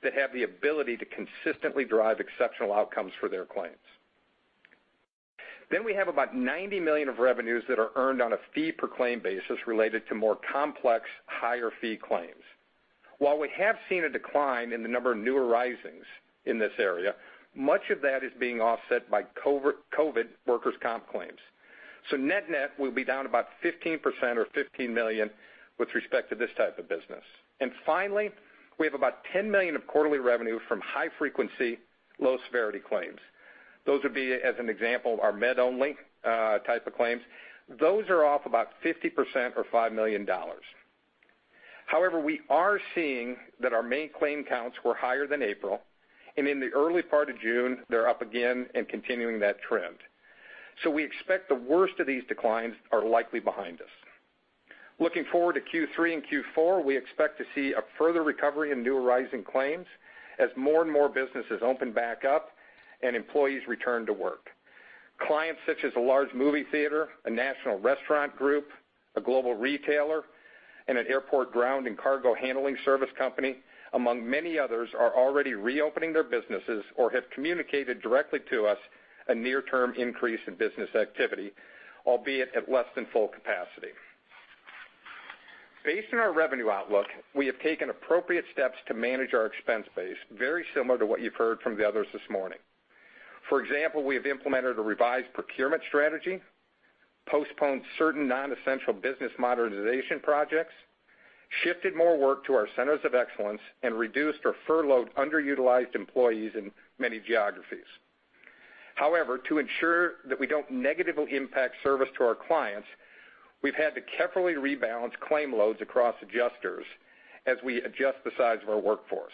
that have the ability to consistently drive exceptional outcomes for their clients. We have about $90 million of revenues that are earned on a fee-per-claim basis related to more complex, higher-fee claims. While we have seen a decline in the number of new arisings in this area, much of that is being offset by COVID workers' comp claims. Net-net, we will be down about 15% or $15 million with respect to this type of business. Finally, we have about $10 million of quarterly revenue from high-frequency, low-severity claims. Those would be, as an example, our med-only type of claims. Those are off about 50% or $5 million. However, we are seeing that our main claim counts were higher than April, and in the early part of June, they're up again and continuing that trend. We expect the worst of these declines are likely behind us. Looking forward to Q3 and Q4, we expect to see a further recovery in new arising claims as more and more businesses open back up and employees return to work. Clients such as a large movie theater, a national restaurant group, a global retailer, and an airport ground and cargo handling service company, among many others, are already reopening their businesses or have communicated directly to us a near-term increase in business activity, albeit at less than full capacity. Based on our revenue outlook, we have taken appropriate steps to manage our expense base, very similar to what you've heard from the others this morning. For example, we have implemented a revised procurement strategy, postponed certain non-essential business modernization projects, shifted more work to our centers of excellence, and reduced or furloughed underutilized employees in many geographies. However, to ensure that we do not negatively impact service to our clients, we have had to carefully rebalance claim loads across adjusters as we adjust the size of our workforce.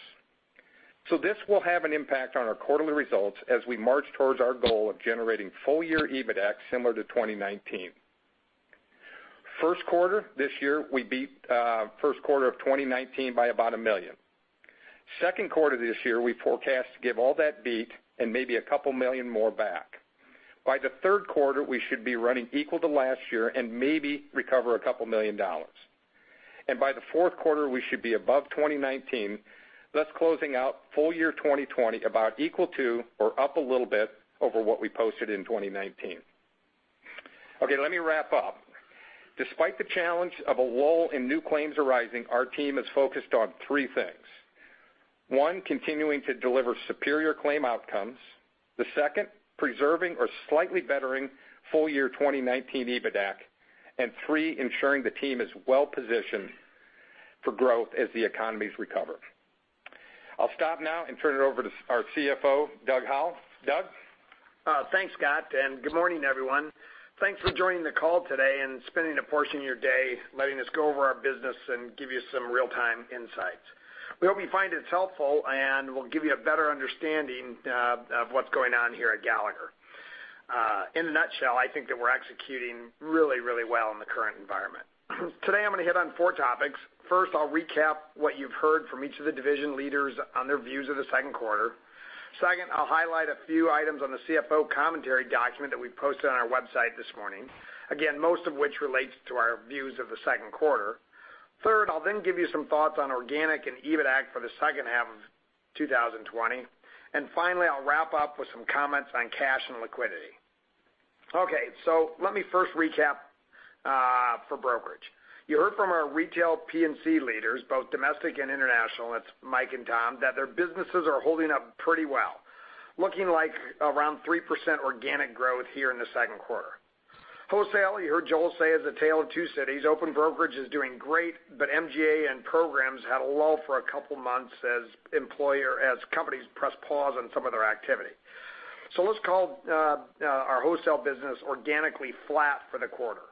This will have an impact on our quarterly results as we march towards our goal of generating full-year EBITDA similar to 2019. First quarter this year, we beat first quarter of 2019 by about $1 million. Second quarter this year, we forecast to give all that beat and maybe a couple million more back. By the third quarter, we should be running equal to last year and maybe recover a couple million dollars. By the fourth quarter, we should be above 2019, thus closing out full-year 2020 about equal to or up a little bit over what we posted in 2019. Okay, let me wrap up. Despite the challenge of a lull in new claims arising, our team is focused on three things. One, continuing to deliver superior claim outcomes. The second, preserving or slightly bettering full-year 2019 EBITDA. And three, ensuring the team is well-positioned for growth as the economy's recovered. I'll stop now and turn it over to our CFO, Doug Howell. Doug? Thanks, Scott. Good morning, everyone. Thanks for joining the call today and spending a portion of your day letting us go over our business and give you some real-time insights. We hope you find it helpful, and we'll give you a better understanding of what's going on here at Gallagher. In a nutshell, I think that we're executing really, really well in the current environment. Today, I'm going to hit on four topics. First, I'll recap what you've heard from each of the division leaders on their views of the second quarter. Second, I'll highlight a few items on the CFO commentary document that we posted on our website this morning, again, most of which relates to our views of the second quarter. Third, I'll then give you some thoughts on organic and EBITDA for the second half of 2020. Finally, I'll wrap up with some comments on cash and liquidity. Okay, let me first recap for brokerage. You heard from our retail P&C leaders, both domestic and international, that's Mike and Tom, that their businesses are holding up pretty well, looking like around 3% organic growth here in the second quarter. Wholesale, you heard Joel say, is a tale of two cities. Open brokerage is doing great, but MGA and programs had a lull for a couple of months as companies press pause on some of their activity. Let's call our wholesale business organically flat for the quarter.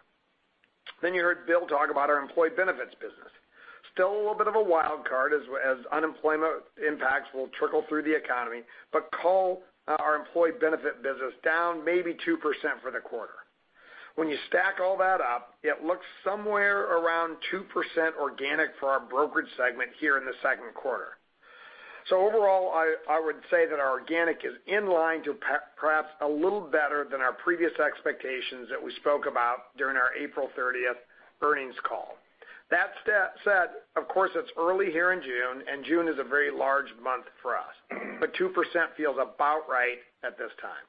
You heard Bill talk about our employee benefits business. Still a little bit of a wild card as unemployment impacts will trickle through the economy, but call our employee benefits business down maybe 2% for the quarter. When you stack all that up, it looks somewhere around 2% organic for our brokerage segment here in the second quarter. Overall, I would say that our organic is in line to perhaps a little better than our previous expectations that we spoke about during our April 30th, 2020 earnings call. That said, of course, it's early here in June, and June is a very large month for us, but 2% feels about right at this time.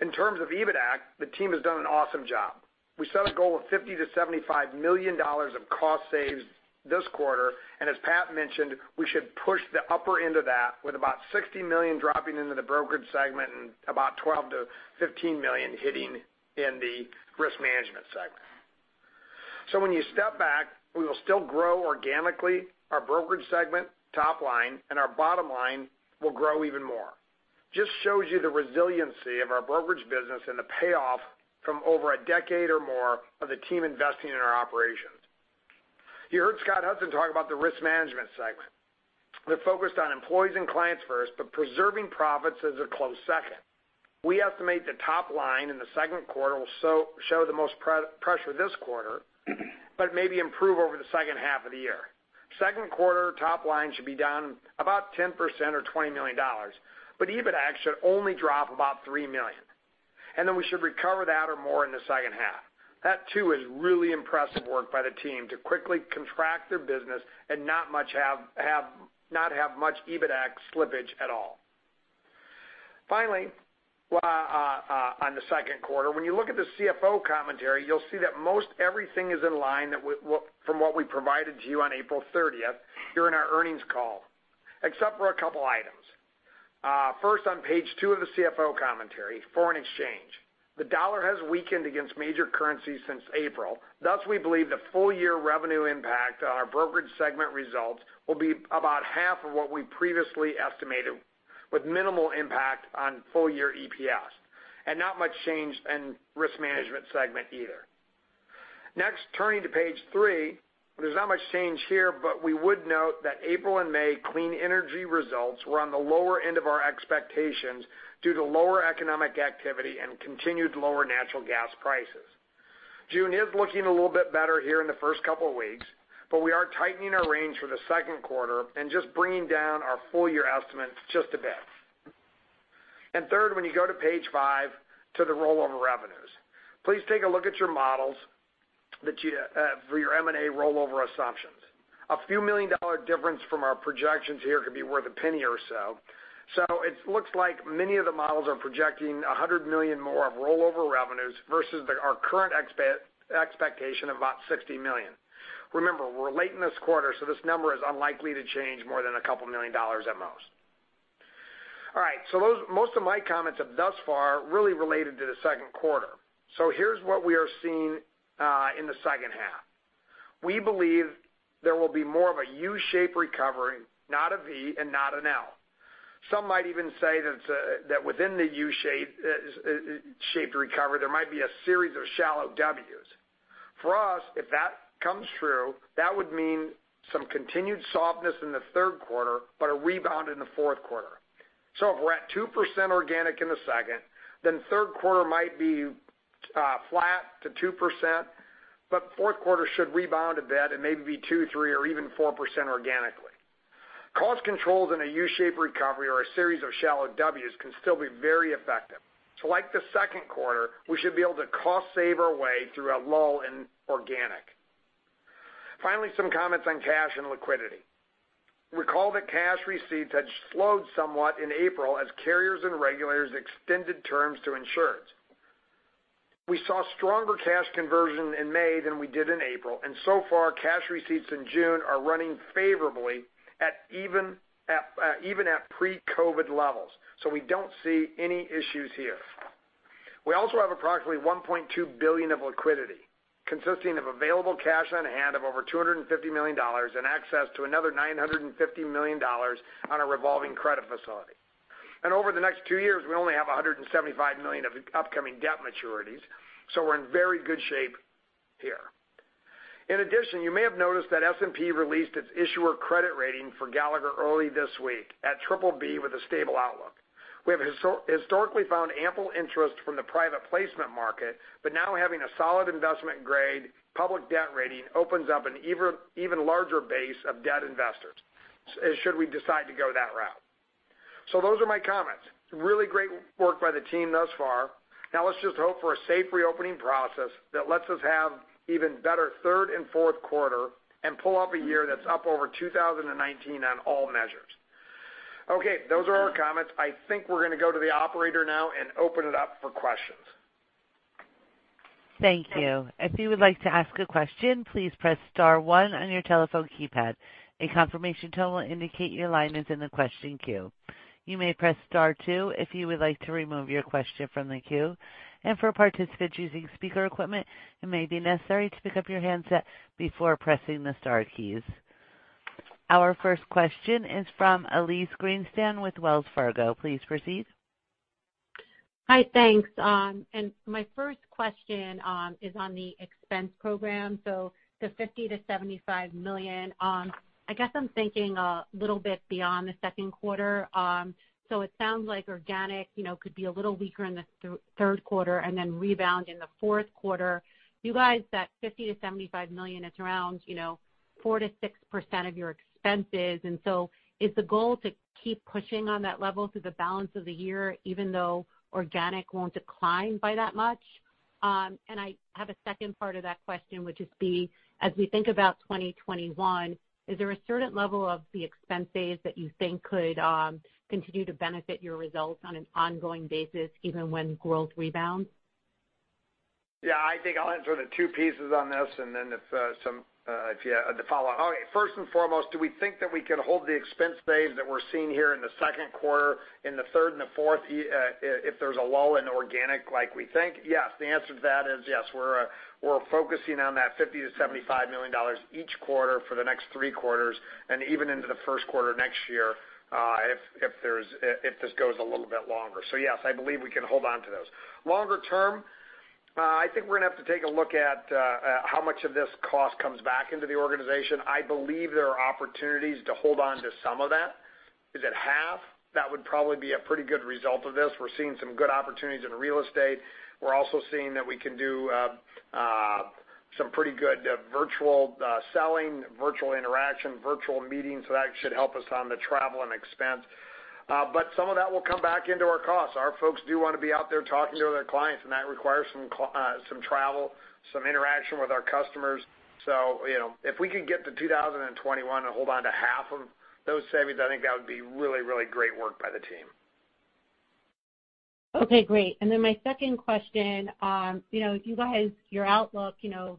In terms of EBITDA, the team has done an awesome job. We set a goal of $50-$75 million of cost saves this quarter, and as Pat mentioned, we should push the upper end of that with about $60 million dropping into the brokerage segment and about $12-$15 million hitting in the risk management segment. When you step back, we will still grow organically our brokerage segment top line, and our bottom line will grow even more. Just shows you the resiliency of our brokerage business and the payoff from over a decade or more of the team investing in our operations. You heard Scott Hudson talk about the risk management segment. They're focused on employees and clients first, but preserving profits as a close second. We estimate the top line in the second quarter will show the most pressure this quarter, but maybe improve over the second half of the year. Second quarter top line should be down about 10% or $20 million, but EBITDA should only drop about $3 million. We should recover that or more in the second half. That, too, is really impressive work by the team to quickly contract their business and not have much EBITDA slippage at all. Finally, on the second quarter, when you look at the CFO commentary, you'll see that most everything is in line from what we provided to you on April 30th during our earnings call, except for a couple of items. First, on page two of the CFO commentary, foreign exchange. The dollar has weakened against major currencies since April. Thus, we believe the full-year revenue impact on our brokerage segment results will be about half of what we previously estimated, with minimal impact on full-year EPS and not much change in risk management segment either. Next, turning to page three, there is not much change here, but we would note that April and May clean energy results were on the lower end of our expectations due to lower economic activity and continued lower natural gas prices. June is looking a little bit better here in the first couple of weeks, but we are tightening our range for the second quarter and just bringing down our full-year estimate just a bit. Third, when you go to page five to the rollover revenues, please take a look at your models for your M&A rollover assumptions. A few million dollar difference from our projections here could be worth a penny or so. It looks like many of the models are projecting $100 million more of rollover revenues versus our current expectation of about $60 million. Remember, we're late in this quarter, so this number is unlikely to change more than a couple million dollars at most. All right, most of my comments thus far really related to the second quarter. Here's what we are seeing in the second half. We believe there will be more of a U-shaped recovery, not a V and not an L. Some might even say that within the U-shaped recovery, there might be a series of shallow Ws. For us, if that comes true, that would mean some continued softness in the third quarter, but a rebound in the fourth quarter. If we're at 2% organic in the second, then third quarter might be flat to 2%, but fourth quarter should rebound a bit and maybe be 2-3% or even 4% organically. Cost controls in a U-shaped recovery or a series of shallow Ws can still be very effective. Like the second quarter, we should be able to cost save our way through a lull in organic. Finally, some comments on cash and liquidity. Recall that cash receipts had slowed somewhat in April as carriers and regulators extended terms to insurance. We saw stronger cash conversion in May than we did in April, and so far, cash receipts in June are running favorably even at pre-COVID levels. We do not see any issues here. We also have approximately $1.2 billion of liquidity consisting of available cash on hand of over $250 million and access to another $950 million on a revolving credit facility. Over the next two years, we only have $175 million of upcoming debt maturities, so we're in very good shape here. In addition, you may have noticed that S&P released its issuer credit rating for Gallagher early this week at BBB with a stable outlook. We have historically found ample interest from the private placement market, but now having a solid investment grade, public debt rating opens up an even larger base of debt investors should we decide to go that route. Those are my comments. Really great work by the team thus far. Now let's just hope for a safe reopening process that lets us have even better third and fourth quarter and pull up a year that's up over 2019 on all measures. Okay, those are our comments. I think we're going to go to the operator now and open it up for questions. Thank you. If you would like to ask a question, please press star one on your telephone keypad. A confirmation tone will indicate your line is in the question queue. You may press star two if you would like to remove your question from the queue. For participants using speaker equipment, it may be necessary to pick up your handset before pressing the star keys. Our first question is from Elise Greenspan with Wells Fargo. Please proceed. Hi, thanks. And my first question is on the expense program. The $50-$75 million, I guess I'm thinking a little bit beyond the second quarter. It sounds like organic could be a little weaker in the third quarter and then rebound in the fourth quarter. You guys, that $50-$75 million, it's around 4%-6% of your expenses. Is the goal to keep pushing on that level through the balance of the year, even though organic won't decline by that much? I have a second part of that question, which is, as we think about 2021, is there a certain level of the expense base that you think could continue to benefit your results on an ongoing basis, even when growth rebounds? I think I'll answer the two pieces on this, and then if you have the follow-up. Okay, first and foremost, do we think that we can hold the expense base that we're seeing here in the second quarter, in the third and the fourth, if there's a lull in organic like we think? Yes. The answer to that is yes. We're focusing on that $50-$75 million each quarter for the next three quarters, and even into the first quarter next year if this goes a little bit longer. Yes, I believe we can hold on to those. Longer term, I think we're going to have to take a look at how much of this cost comes back into the organization. I believe there are opportunities to hold on to some of that. Is it half? That would probably be a pretty good result of this. We're seeing some good opportunities in real estate. We're also seeing that we can do some pretty good virtual selling, virtual interaction, virtual meetings. That should help us on the travel and expense. Some of that will come back into our costs. Our folks do want to be out there talking to their clients, and that requires some travel, some interaction with our customers. If we could get to 2021 and hold on to half of those savings, I think that would be really, really great work by the team. Okay, great. My second question, you guys, your outlook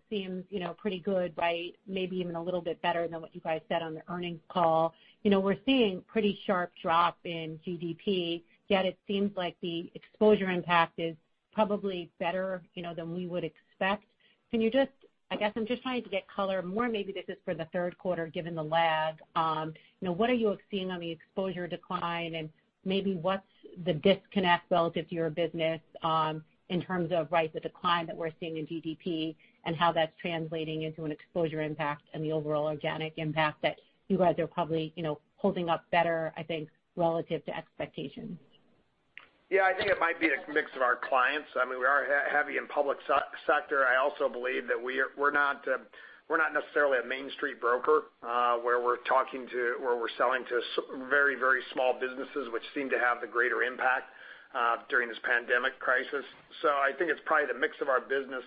seems pretty good, right? Maybe even a little bit better than what you guys said on the earnings call. We're seeing a pretty sharp drop in GDP, yet it seems like the exposure impact is probably better than we would expect. Can you just, I guess I'm just trying to get color more, maybe this is for the third quarter given the lag. What are you seeing on the exposure decline and maybe what's the disconnect relative to your business in terms of, right, the decline that we're seeing in GDP and how that's translating into an exposure impact and the overall organic impact that you guys are probably holding up better, I think, relative to expectations? Yeah, I think it might be a mix of our clients. I mean, we are heavy in public sector. I also believe that we're not necessarily a Main Street broker where we're talking to where we're selling to very, very small businesses, which seem to have the greater impact during this pandemic crisis. I think it's probably the mix of our business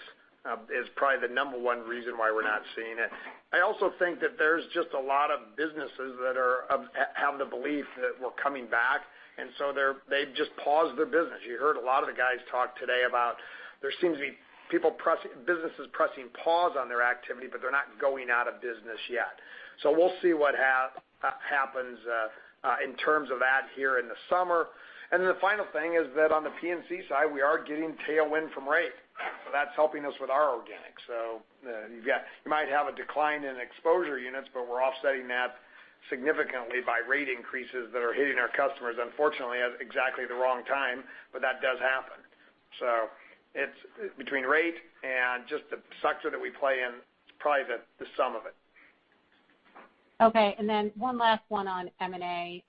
is probably the number one reason why we're not seeing it. I also think that there's just a lot of businesses that have the belief that we're coming back, and so they've just paused their business. You heard a lot of the guys talk today about there seems to be businesses pressing pause on their activity, but they're not going out of business yet. We will see what happens in terms of that here in the summer. The final thing is that on the P&C side, we are getting tailwind from rate. That is helping us with our organic. You might have a decline in exposure units, but we're offsetting that significantly by rate increases that are hitting our customers, unfortunately, at exactly the wrong time, but that does happen. It is between rate and just the sector that we play in, it's probably the sum of it. Okay. One last one on M&A.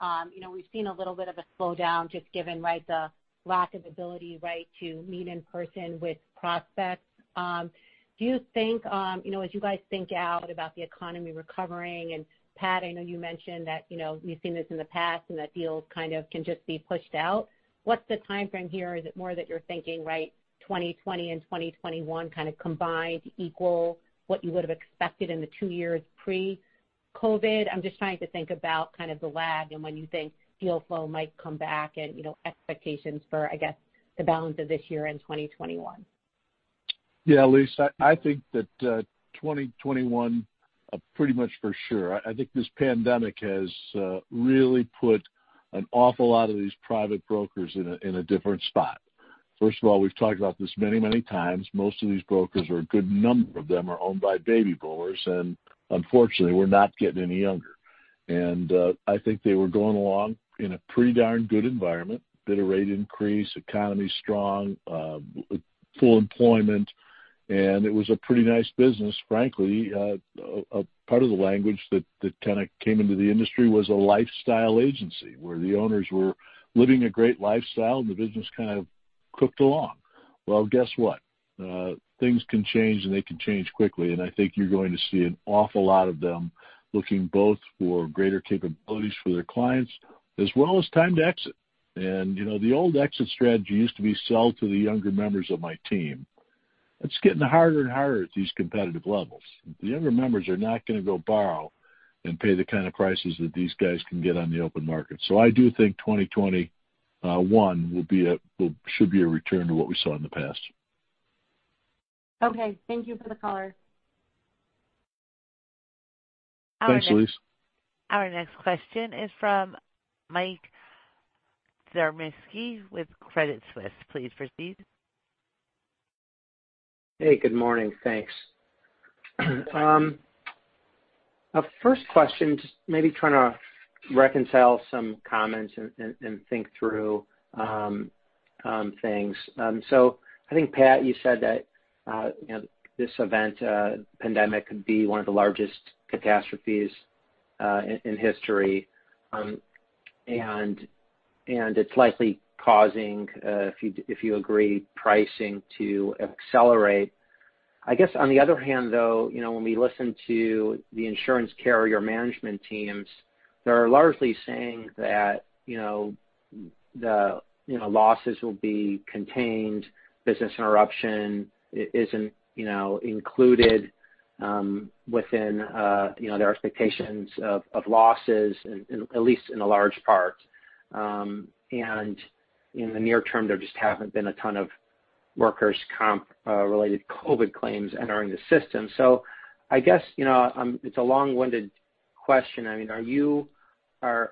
We've seen a little bit of a slowdown just given, right, the lack of ability, right, to meet in person with prospects. Do you think, as you guys think out about the economy recovering and Pat, I know you mentioned that you've seen this in the past and that deals kind of can just be pushed out. What's the timeframe here? Is it more that you're thinking, right, 2020 and 2021 kind of combined equal what you would have expected in the two years pre-COVID? I'm just trying to think about kind of the lag and when you think deal flow might come back and expectations for, I guess, the balance of this year and 2021. Yeah, Elise, I think that 2021, pretty much for sure. I think this pandemic has really put an awful lot of these private brokers in a different spot. First of all, we've talked about this many, many times. Most of these brokers, a good number of them are owned by baby boomers, and unfortunately, we're not getting any younger. I think they were going along in a pretty darn good environment, bit of rate increase, economy strong, full employment, and it was a pretty nice business. Frankly, part of the language that kind of came into the industry was a lifestyle agency where the owners were living a great lifestyle and the business kind of cooked along. Guess what? Things can change and they can change quickly, and I think you're going to see an awful lot of them looking both for greater capabilities for their clients as well as time to exit. The old exit strategy used to be sell to the younger members of my team. It's getting harder and harder at these competitive levels. The younger members are not going to go borrow and pay the kind of prices that these guys can get on the open market. I do think 2021 should be a return to what we saw in the past. Okay. Thank you for the caller. All right. Thanks, Elyse. Our next question is from Mike Zaremski with Credit Suisse. Please proceed. Hey, good morning. Thanks. First question, just maybe trying to reconcile some comments and think through things. I think, Pat, you said that this event, pandemic, could be one of the largest catastrophes in history, and it's likely causing, if you agree, pricing to accelerate. I guess on the other hand, though, when we listen to the insurance carrier management teams, they're largely saying that the losses will be contained, business interruption isn't included within their expectations of losses, at least in a large part. In the near term, there just haven't been a ton of workers' comp related COVID claims entering the system. I guess it's a long-winded question. I mean, are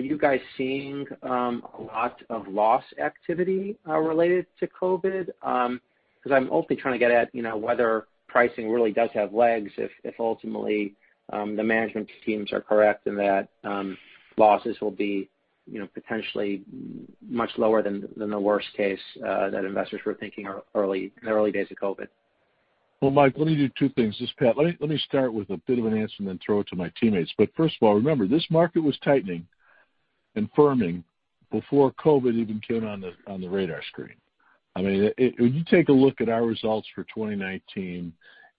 you guys seeing a lot of loss activity related to COVID? Because I'm ultimately trying to get at whether pricing really does have legs if ultimately the management teams are correct and that losses will be potentially much lower than the worst case that investors were thinking in the early days of COVID. Mike, let me do two things. This is Pat. Let me start with a bit of an answer and then throw it to my teammates. First of all, remember, this market was tightening and firming before COVID even came on the radar screen. I mean, when you take a look at our results for 2019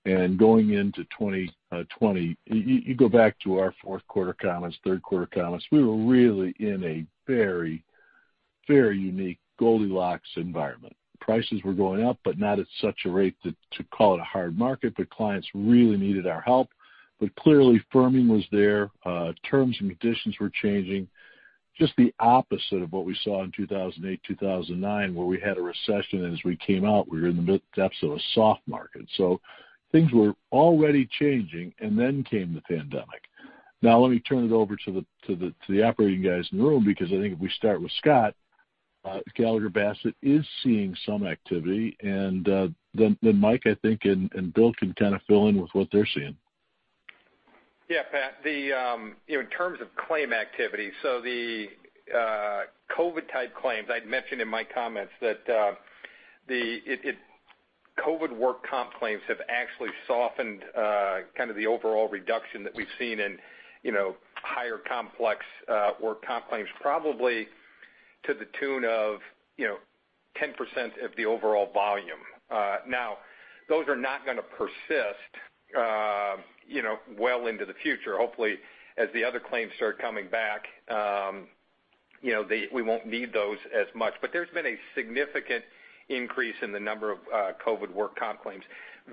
and going into 2020, you go back to our fourth quarter comments, third quarter comments, we were really in a very, very unique Goldilocks environment. Prices were going up, but not at such a rate to call it a hard market, but clients really needed our help. Clearly, firming was there. Terms and conditions were changing. Just the opposite of what we saw in 2008, 2009, where we had a recession, and as we came out, we were in the mid depths of a soft market. Things were already changing, and then came the pandemic. Now, let me turn it over to the operating guys in the room because I think if we start with Scott, Gallagher Bassett is seeing some activity. Mike, I think, and Bill can kind of fill in with what they're seeing. Yeah, Pat. In terms of claim activity, the COVID-type claims, I'd mentioned in my comments that COVID work comp claims have actually softened kind of the overall reduction that we've seen in higher complex work comp claims, probably to the tune of 10% of the overall volume. Those are not going to persist well into the future. Hopefully, as the other claims start coming back, we won't need those as much. There's been a significant increase in the number of COVID work comp claims.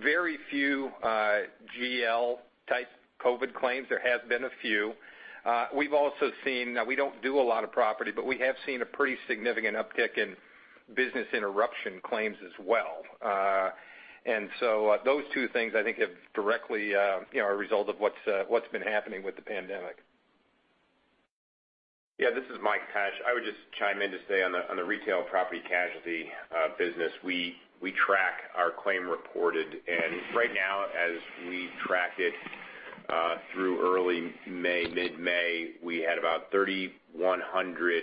Very few GL-type COVID claims. There has been a few. We've also seen, now we don't do a lot of property, but we have seen a pretty significant uptick in business interruption claims as well. Those two things, I think, have directly resulted in what's been happening with the pandemic. Yeah, this is Mike Pesch. I would just chime in to stay on the retail property casualty business. We track our claim reported. Right now, as we tracked it through early May, mid-May, we had about 3,100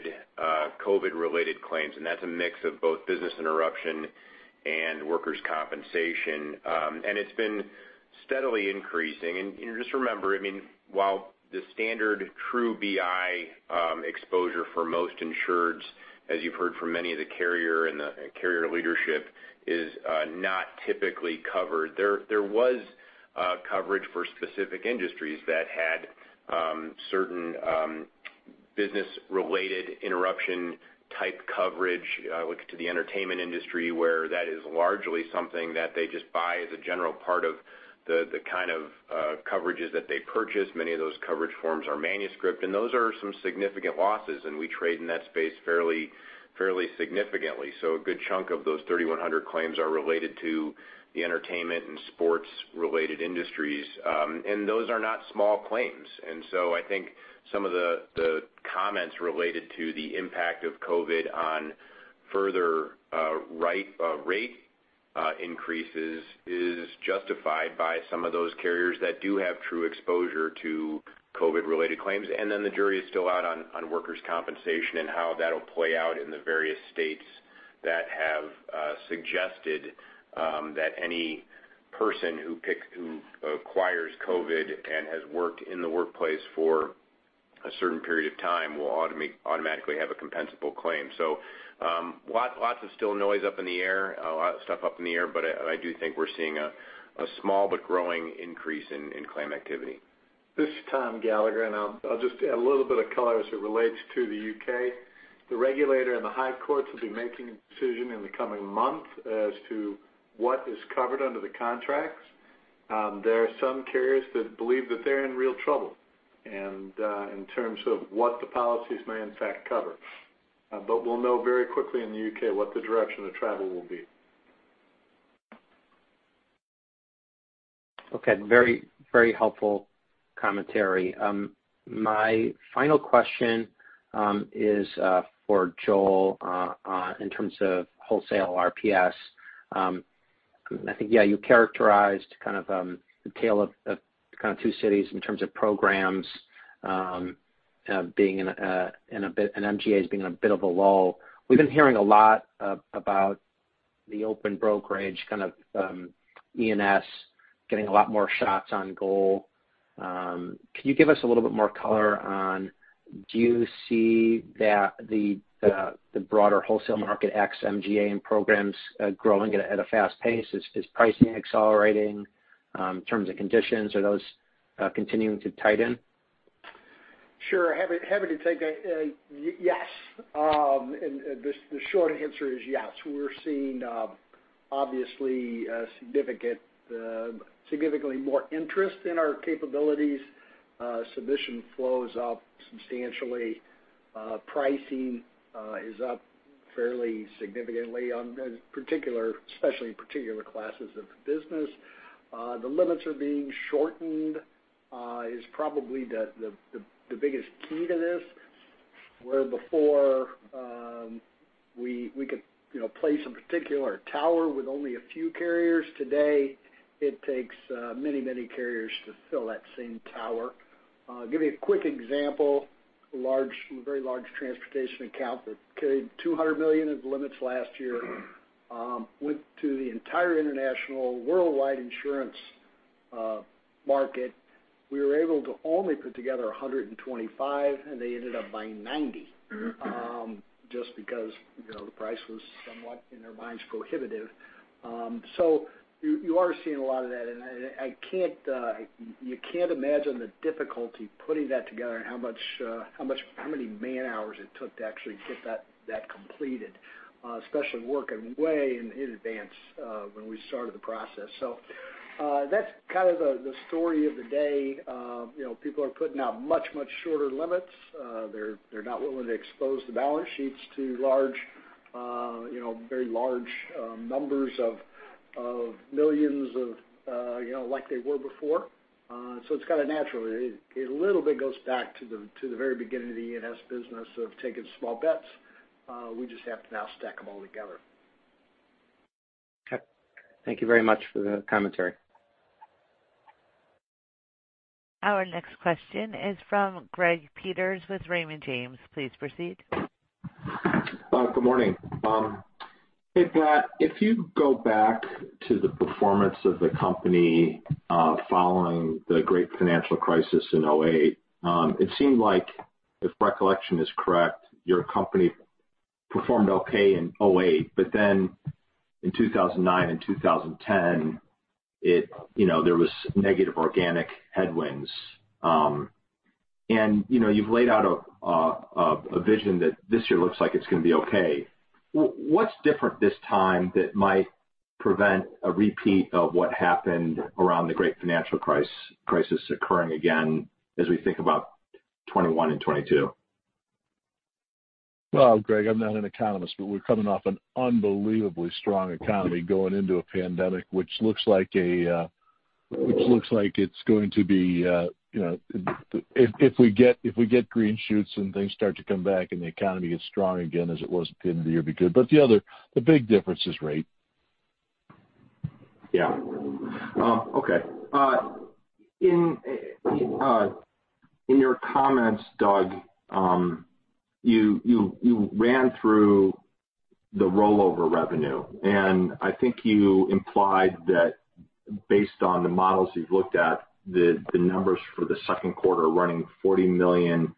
COVID-related claims. That's a mix of both business interruption and workers' compensation. It's been steadily increasing. Just remember, I mean, while the standard true BI exposure for most insureds, as you've heard from many of the carrier and the carrier leadership, is not typically covered, there was coverage for specific industries that had certain business-related interruption-type coverage. I look at the entertainment industry, where that is largely something that they just buy as a general part of the kind of coverages that they purchase. Many of those coverage forms are manuscript. Those are some significant losses, and we trade in that space fairly significantly. A good chunk of those 3,100 claims are related to the entertainment and sports-related industries. Those are not small claims. I think some of the comments related to the impact of COVID on further rate increases is justified by some of those carriers that do have true exposure to COVID-related claims. The jury is still out on workers' compensation and how that will play out in the various states that have suggested that any person who acquires COVID and has worked in the workplace for a certain period of time will automatically have a compensable claim. Lots of still noise up in the air, a lot of stuff up in the air, but I do think we're seeing a small but growing increase in claim activity. This is Tom Gallagher. I'll just add a little bit of color as it relates to the U.K. The regulator and the high courts will be making a decision in the coming months as to what is covered under the contracts. There are some carriers that believe that they're in real trouble in terms of what the policies may, in fact, cover. We'll know very quickly in the U.K. what the direction of travel will be. Okay. Very, very helpful commentary. My final question is for Joel in terms of wholesale RPS. I think, yeah, you characterized kind of the tale of kind of two cities in terms of programs being in a bit and MGAs being in a bit of a lull. We've been hearing a lot about the open brokerage kind of E&S getting a lot more shots on goal. Can you give us a little bit more color on, do you see that the broader wholesale market, ex-MGA and programs, growing at a fast pace? Is pricing accelerating? Terms and conditions, are those continuing to tighten? Sure. Happy to take a yes. And the short answer is yes. We're seeing, obviously, significantly more interest in our capabilities. Submission flows up substantially. Pricing is up fairly significantly, especially in particular classes of business. The limits are being shortened is probably the biggest key to this. Where before, we could place a particular tower with only a few carriers. Today, it takes many, many carriers to fill that same tower. I'll give you a quick example. A very large transportation account that carried $200 million of limits last year went to the entire international worldwide insurance market. We were able to only put together $125 million, and they ended up buying $90 million just because the price was somewhat, in their minds, prohibitive. You are seeing a lot of that. You can't imagine the difficulty putting that together and how many man-hours it took to actually get that completed, especially working way in advance when we started the process. That's kind of the story of the day. People are putting out much, much shorter limits. They're not willing to expose the balance sheets to very large numbers of millions like they were before. It's kind of natural. A little bit goes back to the very beginning of the E&S business of taking small bets. We just have to now stack them all together. Okay. Thank you very much for the commentary. Our next question is from Greg Peters with Raymond James. Please proceed. Good morning. Hey, Pat. If you go back to the performance of the company following the great financial crisis in 2008, it seemed like, if recollection is correct, your company performed okay in 2008. But then in 2009 and 2010, there were negative organic headwinds. And you've laid out a vision that this year looks like it's going to be okay. What's different this time that might prevent a repeat of what happened around the great financial crisis occurring again as we think about 2021 and 2022? Greg, I'm not an economist, but we're coming off an unbelievably strong economy going into a pandemic, which looks like it's going to be if we get green shoots and things start to come back and the economy gets strong again as it was at the end of the year, it'd be good. The big difference is rate. Okay. In your comments, Doug, you ran through the rollover revenue. I think you implied that based on the models you've looked at, the numbers for the second quarter are running $40 million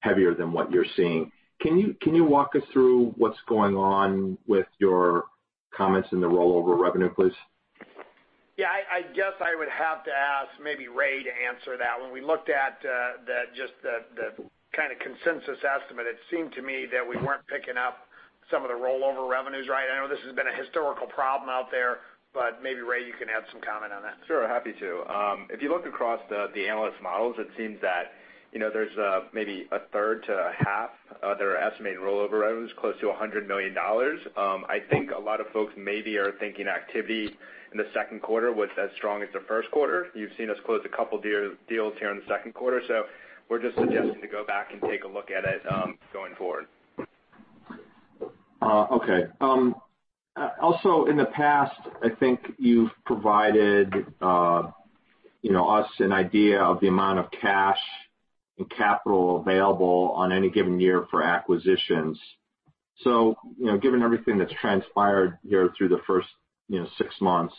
heavier than what you're seeing. Can you walk us through what's going on with your comments in the rollover revenue, please? I guess I would have to ask maybe Ray to answer that. When we looked at just the kind of consensus estimate, it seemed to me that we were not picking up some of the rollover revenues right. I know this has been a historical problem out there, but maybe Ray, you can add some comment on that. Sure. Happy to. If you look across the analyst models, it seems that there is maybe a third to a half that are estimating rollover revenues close to $100 million. I think a lot of folks maybe are thinking activity in the second quarter was as strong as the first quarter. You have seen us close a couple of deals here in the second quarter. We are just suggesting to go back and take a look at it going forward. Okay. Also, in the past, I think you have provided us an idea of the amount of cash and capital available on any given year for acquisitions. Given everything that's transpired here through the first six months,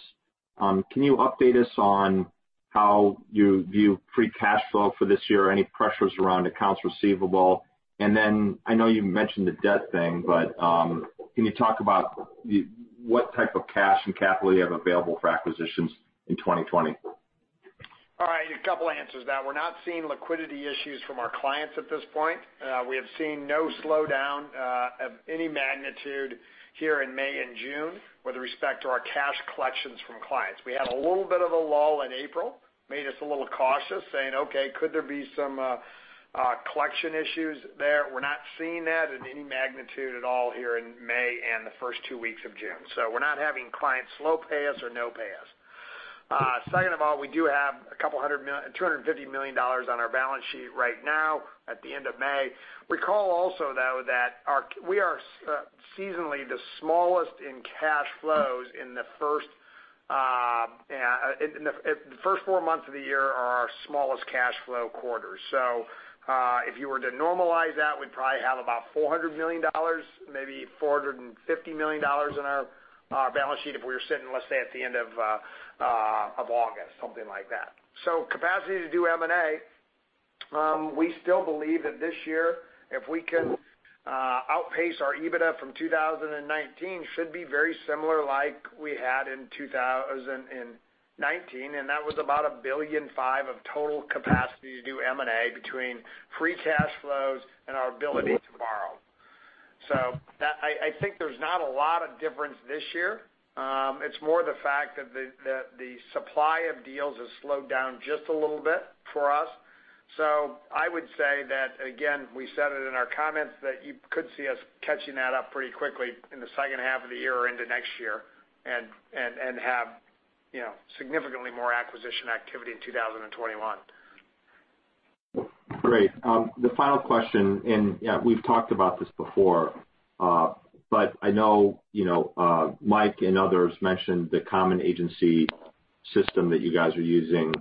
can you update us on how you view free cash flow for this year, any pressures around accounts receivable? I know you mentioned the debt thing, but can you talk about what type of cash and capital you have available for acquisitions in 2020? All right. A couple of answers now. We're not seeing liquidity issues from our clients at this point. We have seen no slowdown of any magnitude here in May and June with respect to our cash collections from clients. We had a little bit of a lull in April, made us a little cautious, saying, "Okay, could there be some collection issues there?" We're not seeing that in any magnitude at all here in May and the first two weeks of June. We're not having clients slow pay us or no pay us. Second of all, we do have a couple of hundred, $250 million on our balance sheet right now at the end of May. Recall also, though, that we are seasonally the smallest in cash flows in the first four months of the year are our smallest cash flow quarters. If you were to normalize that, we'd probably have about $400 million, maybe $450 million in our balance sheet if we were sitting, let's say, at the end of August, something like that. Capacity to do M&A, we still believe that this year, if we can outpace our EBITDA from 2019, should be very similar like we had in 2019. That was about $1.5 billion of total capacity to do M&A between free cash flows and our ability to borrow. I think there's not a lot of difference this year. It's more the fact that the supply of deals has slowed down just a little bit for us. I would say that, again, we said it in our comments that you could see us catching that up pretty quickly in the second half of the year or into next year and have significantly more acquisition activity in 2021. Great. The final question, and we've talked about this before, but I know Mike and others mentioned the common agency system that you guys are using.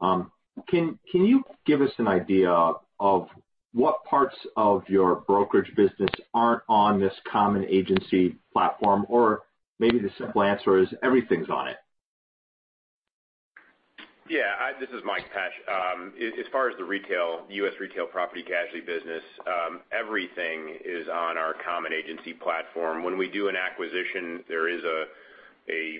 Can you give us an idea of what parts of your brokerage business aren't on this common agency platform? Or maybe the simple answer is everything's on it. Yeah. This is Mike Pesch. As far as the U.S. retail property casualty business, everything is on our common agency platform. When we do an acquisition, there is a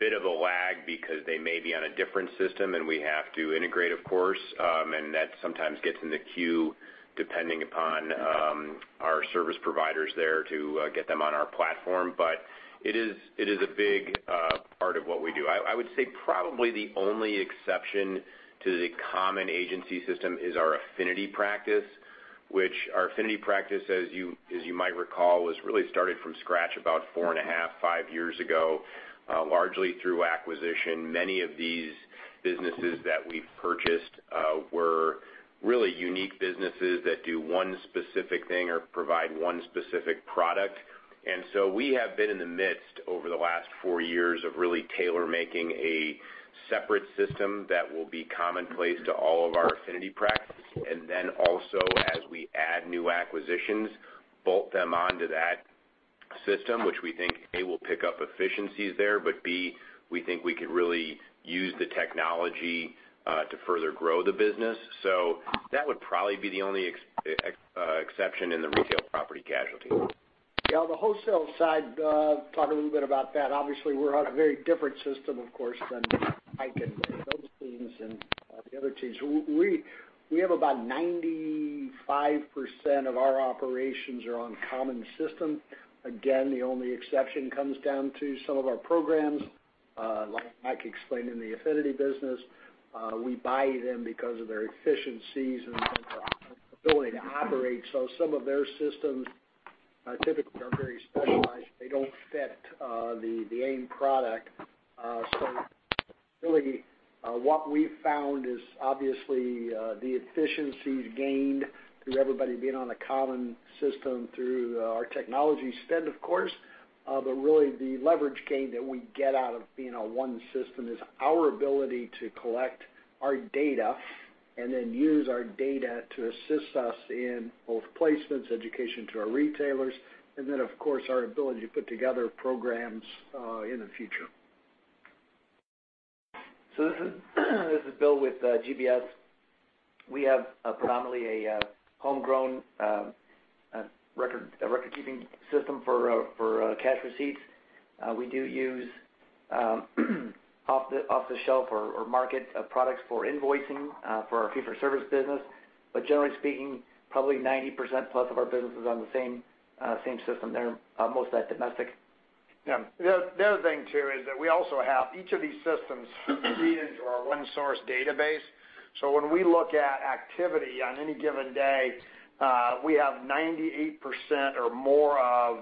bit of a lag because they may be on a different system and we have to integrate, of course. That sometimes gets in the queue depending upon our service providers there to get them on our platform. It is a big part of what we do. I would say probably the only exception to the common agency system is our affinity practice, which our affinity practice, as you might recall, was really started from scratch about four and a half, five years ago, largely through acquisition. Many of these businesses that we've purchased were really unique businesses that do one specific thing or provide one specific product. We have been in the midst over the last four years of really tailor-making a separate system that will be commonplace to all of our affinity practices. As we add new acquisitions, bolt them onto that system, which we think, A, will pick up efficiencies there, but B, we think we could really use the technology to further grow the business. That would probably be the only exception in the retail property casualty. Yeah. On the wholesale side, talk a little bit about that. Obviously, we're on a very different system, of course, than Mike and those teams and the other teams. We have about 95% of our operations are on common systems. Again, the only exception comes down to some of our programs, like Mike explained in the affinity business. We buy them because of their efficiencies and their ability to operate. Some of their systems typically are very specialized. They don't fit the aimed product. What we've found is obviously the efficiencies gained through everybody being on a common system through our technology spend, of course, but really the leverage gain that we get out of being on one system is our ability to collect our data and then use our data to assist us in both placements, education to our retailers, and then, of course, our ability to put together programs in the future. This is Bill with GBS. We have predominantly a homegrown record-keeping system for cash receipts. We do use off-the-shelf or market products for invoicing for our fee-for-service business. Generally speaking, probably 90% plus of our business is on the same system. They're mostly domestic. The other thing, too, is that we also have each of these systems feed into our one-source database. When we look at activity on any given day, we have 98% or more of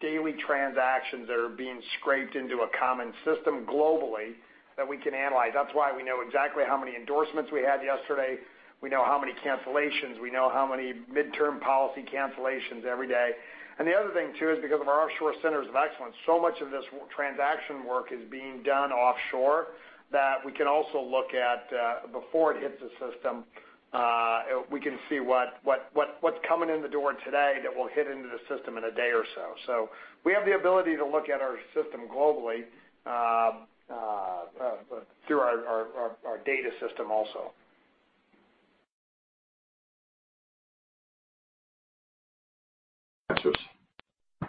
daily transactions that are being scraped into a common system globally that we can analyze. That's why we know exactly how many endorsements we had yesterday. We know how many cancellations. We know how many midterm policy cancellations every day. The other thing, too, is because of our offshore centers of excellence, so much of this transaction work is being done offshore that we can also look at before it hits the system. We can see what's coming in the door today that will hit into the system in a day or so. We have the ability to look at our system globally through our data system also. Answers. Yeah.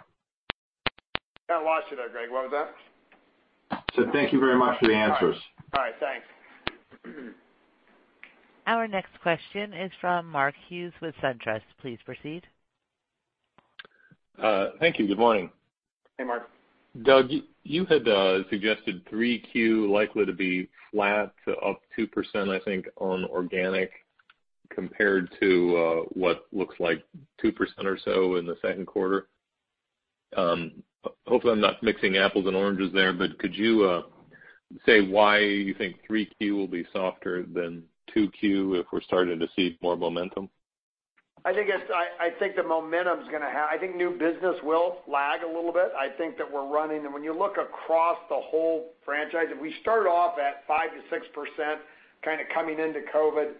I lost you there, Greg. What was that? Thank you very much for the answers. All right. Thanks. Our next question is from Mark Hughes with Centress. Please proceed. Thank you. Good morning. Hey, Mark. Doug, you had suggested 3Q likely to be flat to up 2%, I think, on organic compared to what looks like 2% or so in the second quarter. Hopefully, I'm not mixing apples and oranges there, but could you say why you think 3Q will be softer than 2Q if we're starting to see more momentum? I think the momentum's going to have, I think new business will lag a little bit. I think that we're running, when you look across the whole franchise, we started off at 5-6% kind of coming into COVID.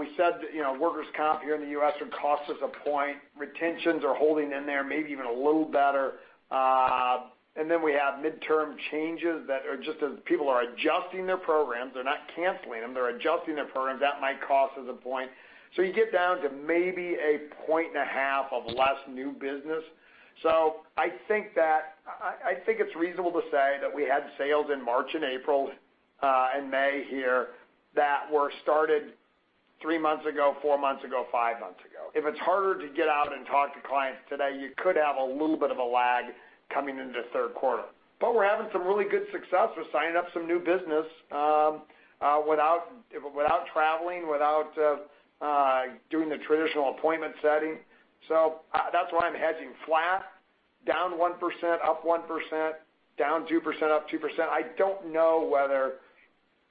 We said that workers' comp here in the U.S. would cost us a point. Retentions are holding in there, maybe even a little better. We have midterm changes that are just as people are adjusting their programs. They're not canceling them. They're adjusting their programs. That might cost us a point. You get down to maybe a point and a half of less new business. I think it's reasonable to say that we had sales in March and April and May here that were started three months ago, four months ago, five months ago. If it's harder to get out and talk to clients today, you could have a little bit of a lag coming into the third quarter. We are having some really good success. We're signing up some new business without traveling, without doing the traditional appointment setting. That's why I'm hedging flat, down 1%, up 1%, down 2%, up 2%. I don't know whether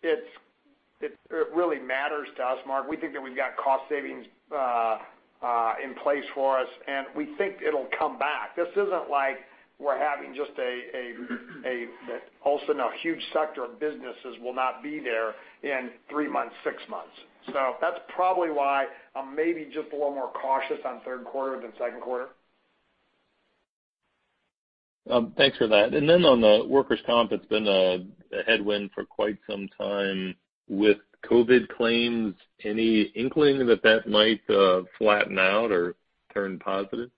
it really matters to us, Mark. We think that we've got cost savings in place for us, and we think it'll come back. This isn't like we're having just a also now huge sector of businesses will not be there in three months, six months. That is probably why I'm maybe just a little more cautious on third quarter than second quarter. Thanks for that. Then on the workers' comp, it's been a headwind for quite some time. With COVID claims, any inkling that that might flatten out or turn positive?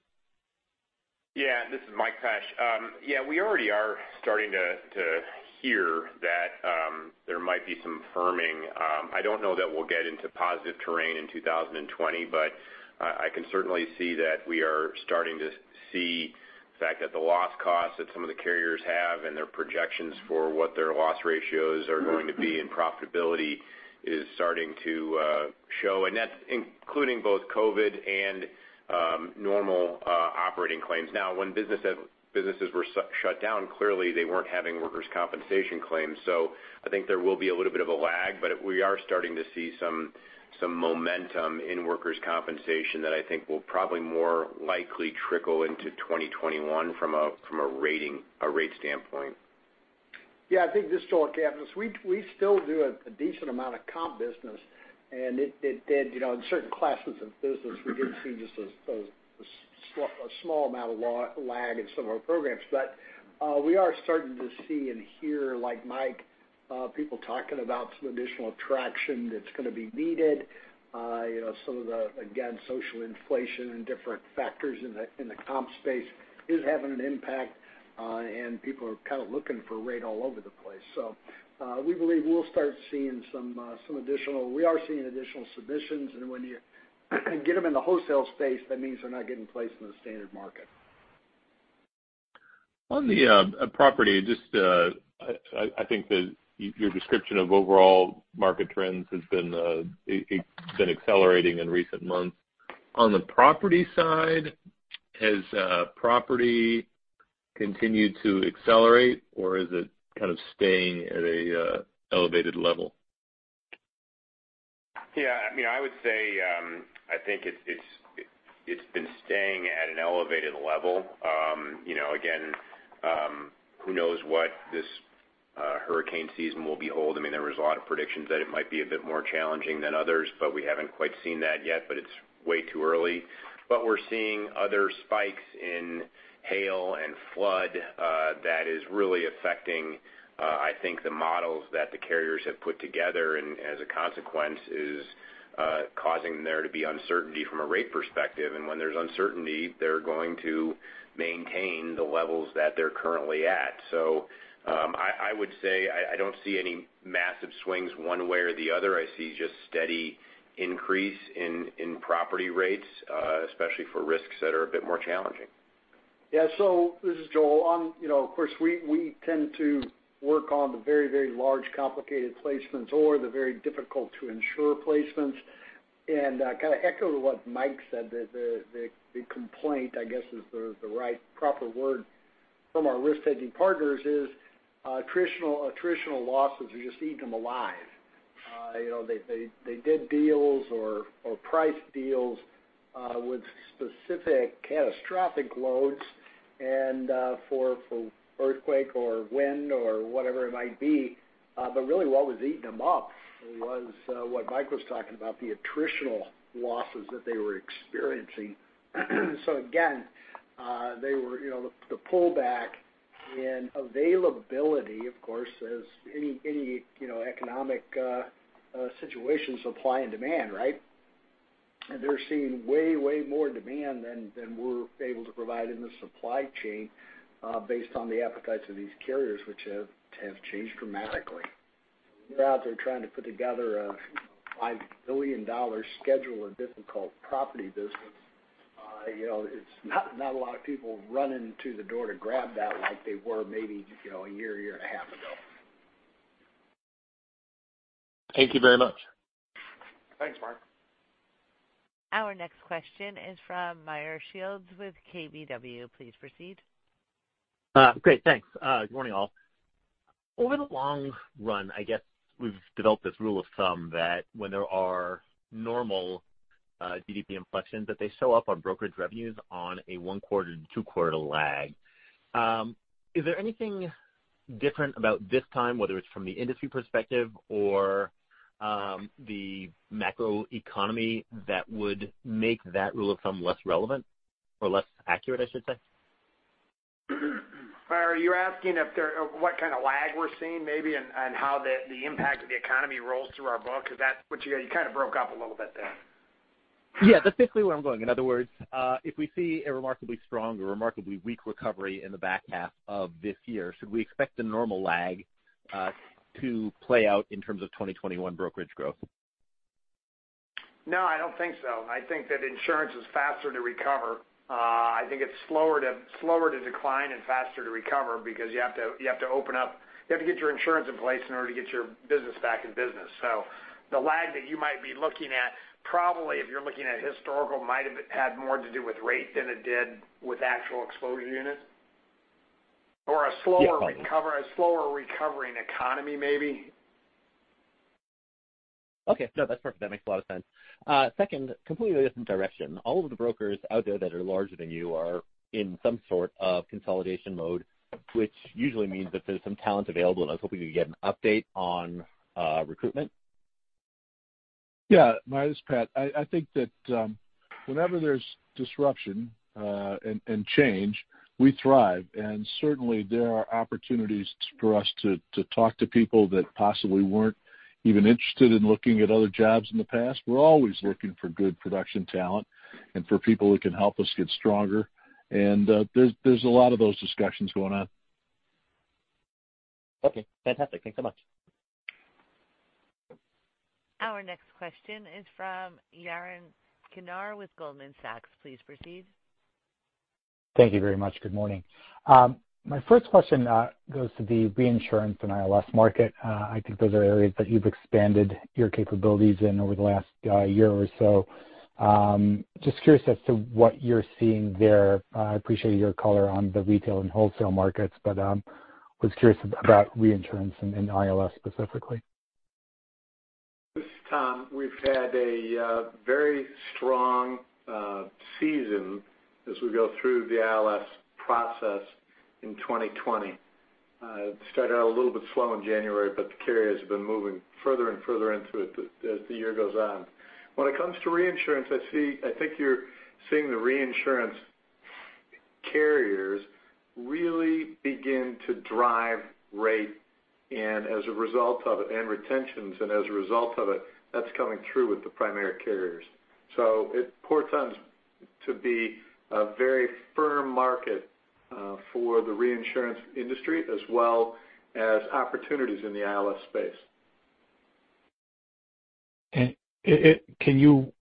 Yeah. This is Mike Pesch. Yeah. We already are starting to hear that there might be some firming. I don't know that we'll get into positive terrain in 2020, but I can certainly see that we are starting to see the fact that the loss costs that some of the carriers have and their projections for what their loss ratios are going to be and profitability is starting to show, and that's including both COVID and normal operating claims. Now, when businesses were shut down, clearly, they weren't having workers' compensation claims. I think there will be a little bit of a lag, but we are starting to see some momentum in workers' compensation that I think will probably more likely trickle into 2021 from a rate standpoint. Yeah. I think this story gave us we still do a decent amount of comp business, and in certain classes of business, we did see just a small amount of lag in some of our programs. We are starting to see and hear, like Mike, people talking about some additional traction that's going to be needed. Some of the, again, social inflation and different factors in the comp space is having an impact, and people are kind of looking for a rate all over the place. We believe we'll start seeing some additional, we are seeing additional submissions. When you get them in the wholesale space, that means they're not getting placed in the standard market. On the property, just I think that your description of overall market trends has been accelerating in recent months. On the property side, has property continued to accelerate, or is it kind of staying at an elevated level? Yeah. I mean, I would say I think it's been staying at an elevated level. Again, who knows what this hurricane season will behold? I mean, there was a lot of predictions that it might be a bit more challenging than others, but we haven't quite seen that yet, but it's way too early. We're seeing other spikes in hail and flood that is really affecting, I think, the models that the carriers have put together, and as a consequence, is causing there to be uncertainty from a rate perspective. When there's uncertainty, they're going to maintain the levels that they're currently at. I would say I don't see any massive swings one way or the other. I see just steady increase in property rates, especially for risks that are a bit more challenging. Yeah. This is Joel. Of course, we tend to work on the very, very large, complicated placements or the very difficult-to-insure placements. Kind of echo what Mike said, the complaint, I guess, is the right proper word from our risk-taking partners is traditional losses are just eating them alive. They did deals or price deals with specific catastrophic loads for earthquake or wind or whatever it might be. What was eating them up was what Mike was talking about, the attritional losses that they were experiencing. Again, they were the pullback in availability, of course, as any economic situation, supply and demand, right? They are seeing way, way more demand than we are able to provide in the supply chain based on the appetites of these carriers, which have changed dramatically. They are out there trying to put together a $5 billion schedule and difficult property business. It's not a lot of people running to the door to grab that like they were maybe a year, year and a half ago. Thank you very much. Thanks, Mark. Our next question is from Meyer Shields with KBW. Please proceed. Great. Thanks. Good morning, all. Over the long run, I guess we've developed this rule of thumb that when there are normal GDP inflections, that they show up on brokerage revenues on a one-quarter to two-quarter lag. Is there anything different about this time, whether it's from the industry perspective or the macroeconomy, that would make that rule of thumb less relevant or less accurate, I should say? Are you asking what kind of lag we're seeing maybe and how the impact of the economy rolls through our book? Is that what you got? You kind of broke up a little bit there. Yeah. That's basically where I'm going. In other words, if we see a remarkably strong or remarkably weak recovery in the back half of this year, should we expect the normal lag to play out in terms of 2021 brokerage growth? No, I don't think so. I think that insurance is faster to recover. I think it's slower to decline and faster to recover because you have to open up, you have to get your insurance in place in order to get your business back in business. The lag that you might be looking at, probably if you're looking at historical, might have had more to do with rate than it did with actual exposure units or a slower recovering economy maybe. Okay. No, that's perfect. That makes a lot of sense. Second, completely different direction. All of the brokers out there that are larger than you are in some sort of consolidation mode, which usually means that there's some talent available. I was hoping you could get an update on recruitment. Yeah. My name is Pat. I think that whenever there's disruption and change, we thrive. Certainly, there are opportunities for us to talk to people that possibly weren't even interested in looking at other jobs in the past. We're always looking for good production talent and for people who can help us get stronger. There's a lot of those discussions going on. Okay. Fantastic. Thanks so much. Our next question is from Yaron Kinar with Goldman Sachs. Please proceed. Thank you very much. Good morning. My first question goes to the reinsurance and ILS market.I think those are areas that you've expanded your capabilities in over the last year or so. Just curious as to what you're seeing there. I appreciate your color on the retail and wholesale markets, but I was curious about reinsurance and ILS specifically. We've had a very strong season as we go through the ILS process in 2020. It started out a little bit slow in January, but the carriers have been moving further and further into it as the year goes on. When it comes to reinsurance, I think you're seeing the reinsurance carriers really begin to drive rate and, as a result of it, and retentions, and as a result of it, that's coming through with the primary carriers. It pours on to be a very firm market for the reinsurance industry as well as opportunities in the ILS space. Can you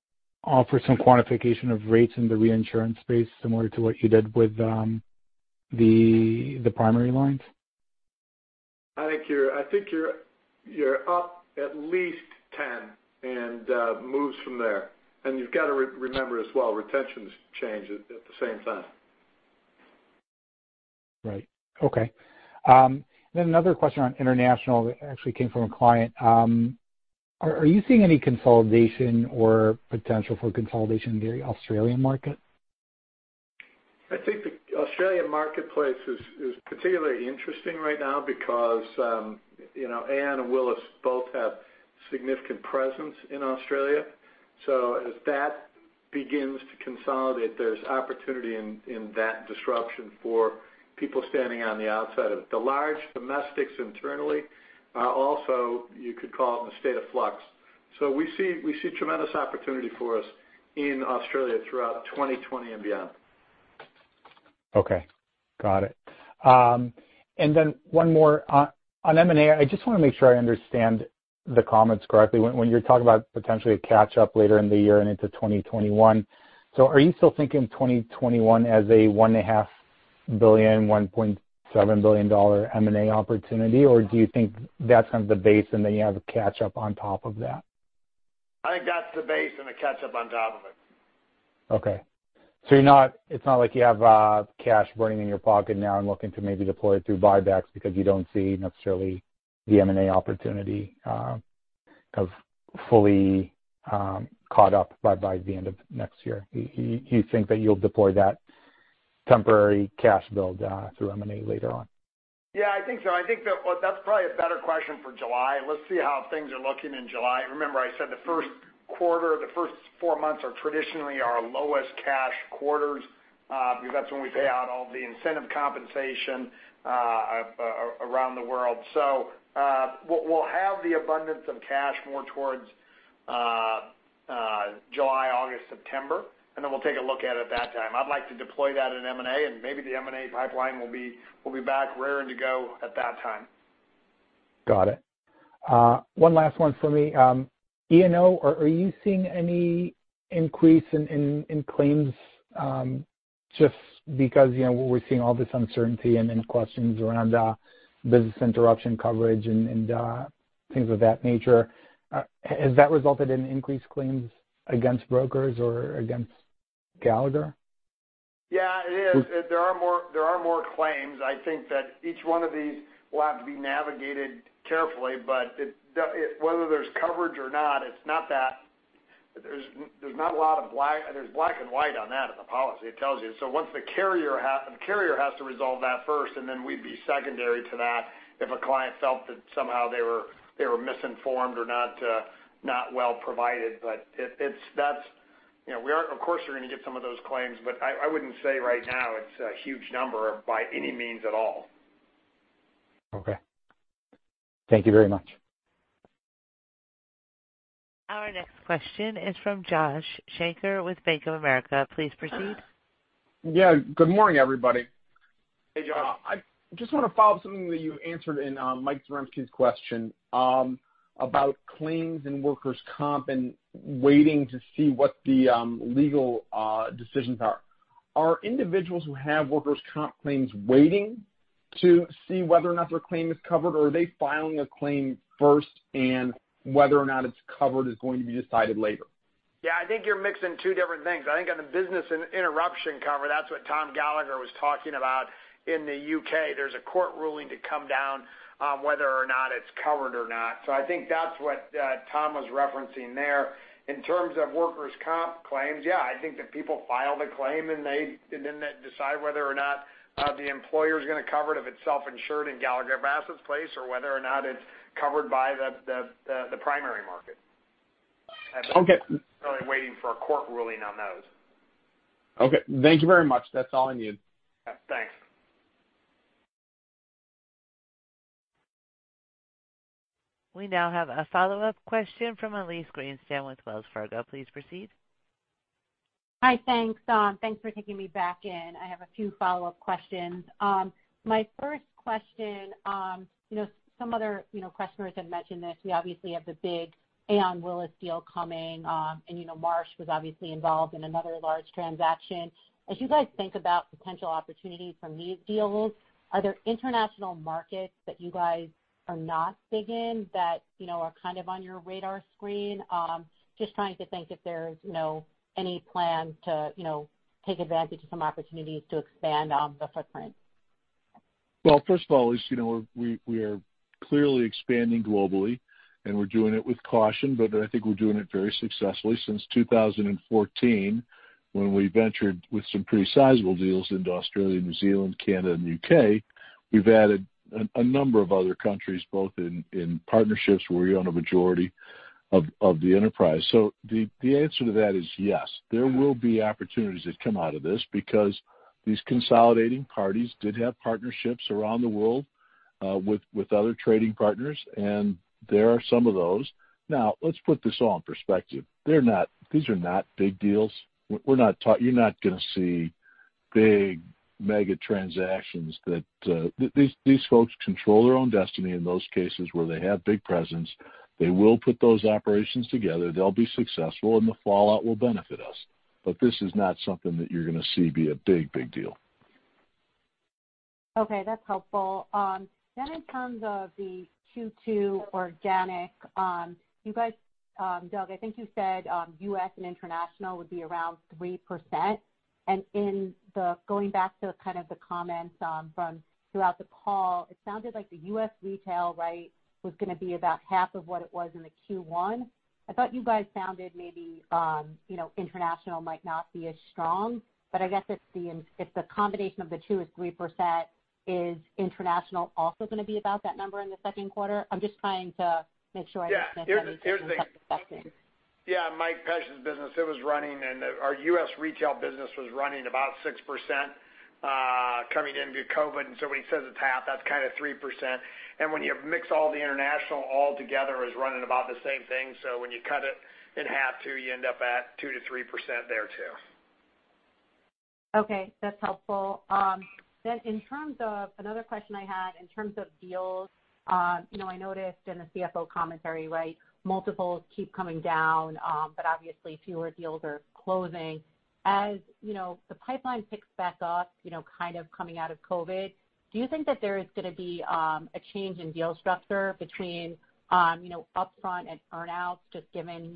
offer some quantification of rates in the reinsurance space similar to what you did with the primary lines? I think you're up at least 10% and moves from there. And you've got to remember as well, retentions change at the same time. Right. Okay. Then another question on international actually came from a client. Are you seeing any consolidation or potential for consolidation in the Australian market? I think the Australian marketplace is particularly interesting right now because Aon and Willis both have significant presence in Australia. So as that begins to consolidate, there's opportunity in that disruption for people standing on the outside of it. The large domestics internally are also, you could call it, in a state of flux. So we see tremendous opportunity for us in Australia throughout 2020 and beyond. Okay. Got it. And then one more on M&A. I just want to make sure I understand the comments correctly. When you're talking about potentially a catch-up later in the year and into 2021, are you still thinking 2021 as a $1.5 billion-$1.7 billion M&A opportunity, or do you think that's kind of the base and then you have a catch-up on top of that? I think that's the base and a catch-up on top of it. Okay. It's not like you have cash burning in your pocket now and looking to maybe deploy it through buybacks because you don't see necessarily the M&A opportunity kind of fully caught up by the end of next year. You think that you'll deploy that temporary cash build through M&A later on? Yeah, I think so. I think that's probably a better question for July. Let's see how things are looking in July. Remember, I said the first quarter, the first four months are traditionally our lowest cash quarters because that's when we pay out all the incentive compensation around the world. We'll have the abundance of cash more towards July, August, September, and then we'll take a look at it at that time. I'd like to deploy that in M&A, and maybe the M&A pipeline will be back raring to go at that time. Got it. One last one for me. E&O, are you seeing any increase in claims just because we're seeing all this uncertainty and questions around business interruption coverage and things of that nature? Has that resulted in increased claims against brokers or against Gallagher? Yeah, it is. There are more claims. I think that each one of these will have to be navigated carefully, but whether there's coverage or not, it's not that there's not a lot of black and white on that in the policy. It tells you. Once the carrier has to resolve that first, and then we'd be secondary to that if a client felt that somehow they were misinformed or not well provided. That's of course, you're going to get some of those claims, but I wouldn't say right now it's a huge number by any means at all. Okay. Thank you very much. Our next question is from Josh Schenker with Bank of America. Please proceed. Yeah. Good morning, everybody. Hey, Josh. I just want to follow up something that you answered in Mike Zaremski's question about claims and workers' comp and waiting to see what the legal decisions are. Are individuals who have workers' comp claims waiting to see whether or not their claim is covered, or are they filing a claim first, and whether or not it's covered is going to be decided later? Yeah. I think you're mixing two different things. I think on the business interruption cover, that's what Tom Gallagher was talking about. In the U.K., there's a court ruling to come down on whether or not it's covered or not. I think that's what Tom was referencing there. In terms of workers' comp claims, yeah, I think that people file the claim, and then they decide whether or not the employer is going to cover it if it's self-insured in Gallagher Bassett's place or whether or not it's covered by the primary market. I think we're really waiting for a court ruling on those. Okay. Thank you very much. That's all I need. Thanks. We now have a follow-up question from Elise Greenspan with Wells Fargo. Please proceed. Hi. Thanks, Tom. Thanks for taking me back in. I have a few follow-up questions. My first question, some other questioners had mentioned this. We obviously have the big Aon Willis deal coming, and Marsh was obviously involved in another large transaction. As you guys think about potential opportunities from these deals, are there international markets that you guys are not big in that are kind of on your radar screen? Just trying to think if there's any plans to take advantage of some opportunities to expand on the footprint. First of all, we are clearly expanding globally, and we're doing it with caution, but I think we're doing it very successfully since 2014 when we ventured with some pretty sizable deals into Australia, New Zealand, Canada, and the U.K. We've added a number of other countries, both in partnerships where we own a majority of the enterprise. So the answer to that is yes. There will be opportunities that come out of this because these consolidating parties did have partnerships around the world with other trading partners, and there are some of those. Now, let's put this all in perspective. These are not big deals. You're not going to see big mega transactions that these folks control their own destiny in those cases where they have big presence. They will put those operations together. They'll be successful, and the fallout will benefit us. This is not something that you're going to see be a big, big deal. Okay. That's helpful. Then in terms of the Q2 organic, Doug, I think you said U.S. and international would be around 3%. Going back to kind of the comments throughout the call, it sounded like the U.S. retail, right, was going to be about half of what it was in the Q1. I thought you guys sounded maybe international might not be as strong, but I guess if the combination of the two is 3%, is international also going to be about that number in the second quarter? I'm just trying to make sure I didn't miss that. Yeah. Here's the thing. Yeah. Mike Pesch's business, it was running, and our U.S. retail business was running about 6% coming into COVID. And so when he says it's half, that's kind of 3%. And when you mix all the international altogether, it was running about the same thing. So when you cut it in half too, you end up at 2-3% there too. Okay. That's helpful. In terms of another question I had, in terms of deals, I noticed in the CFO commentary, right, multiples keep coming down, but obviously fewer deals are closing. As the pipeline picks back up, kind of coming out of COVID, do you think that there is going to be a change in deal structure between upfront and earnouts just given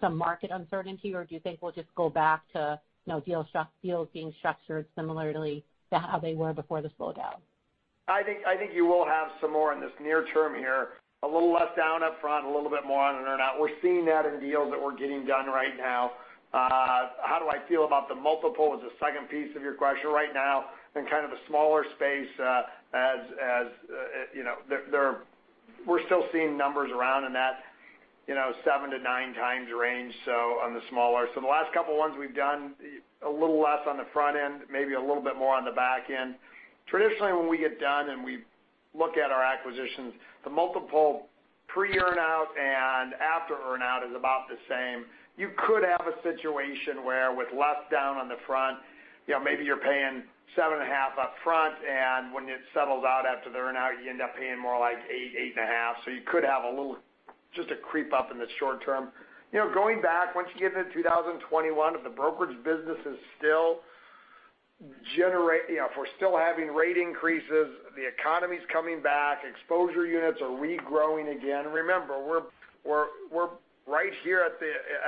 some market uncertainty, or do you think we will just go back to deals being structured similarly to how they were before the slowdown? I think you will have some more in this near term here, a little less down upfront, a little bit more on an earnout. We are seeing that in deals that we are getting done right now. How do I feel about the multiple is the second piece of your question. Right now in kind of a smaller space, as we're still seeing numbers around in that 7-9 times range on the smaller. The last couple of ones we've done, a little less on the front end, maybe a little bit more on the back end. Traditionally, when we get done and we look at our acquisitions, the multiple pre-earnout and after earnout is about the same. You could have a situation where with less down on the front, maybe you're paying 7.5 upfront, and when it settles out after the earnout, you end up paying more like 8, 8.5. You could have just a creep up in the short term. Going back, once you get into 2021, if the brokerage business is still generating, if we're still having rate increases, the economy's coming back, exposure units are regrowing again. Remember, we're right here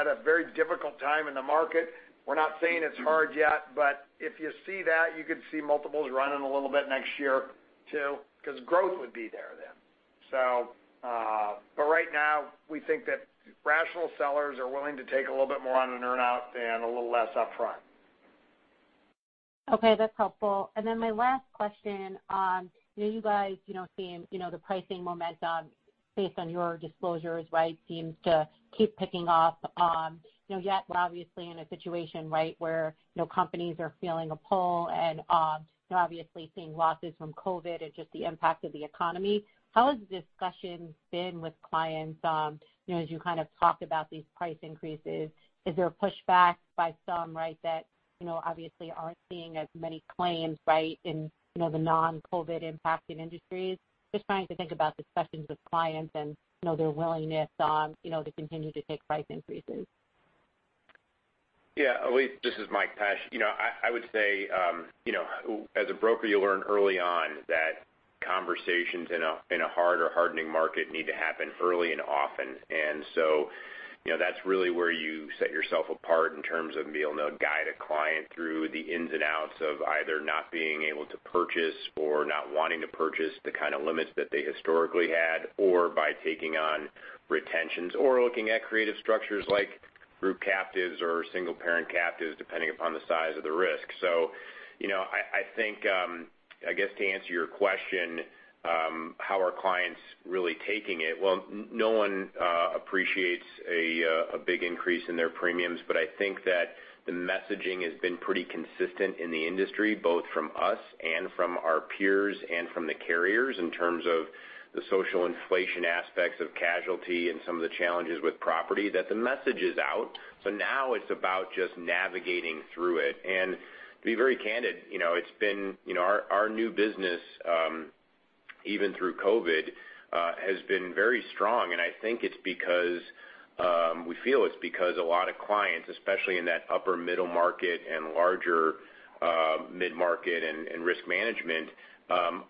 at a very difficult time in the market. We're not saying it's hard yet, but if you see that, you could see multiples running a little bit next year too because growth would be there then. Right now, we think that rational sellers are willing to take a little bit more on an earnout and a little less upfront. Okay. That's helpful. My last question, you guys seem the pricing momentum based on your disclosures, right, seems to keep picking off. Yet, obviously, in a situation where companies are feeling a pull and obviously seeing losses from COVID and just the impact of the economy, how has the discussion been with clients as you kind of talked about these price increases? Is there a pushback by some, right, that obviously aren't seeing as many claims, right, in the non-COVID impacted industries? Just trying to think about discussions with clients and their willingness to continue to take price increases. Yeah. Elise, this is Mike Pesch. I would say as a broker, you learn early on that conversations in a hard or hardening market need to happen early and often. That is really where you set yourself apart in terms of being able to guide a client through the ins and outs of either not being able to purchase or not wanting to purchase the kind of limits that they historically had, or by taking on retentions or looking at creative structures like group captives or single-parent captives, depending upon the size of the risk. I think, I guess to answer your question, how are clients really taking it? No one appreciates a big increase in their premiums, but I think that the messaging has been pretty consistent in the industry, both from us and from our peers and from the carriers in terms of the social inflation aspects of casualty and some of the challenges with property, that the message is out. Now it is about just navigating through it. To be very candid, it's been our new business, even through COVID, has been very strong. I think it's because we feel it's because a lot of clients, especially in that upper middle market and larger mid-market and risk management,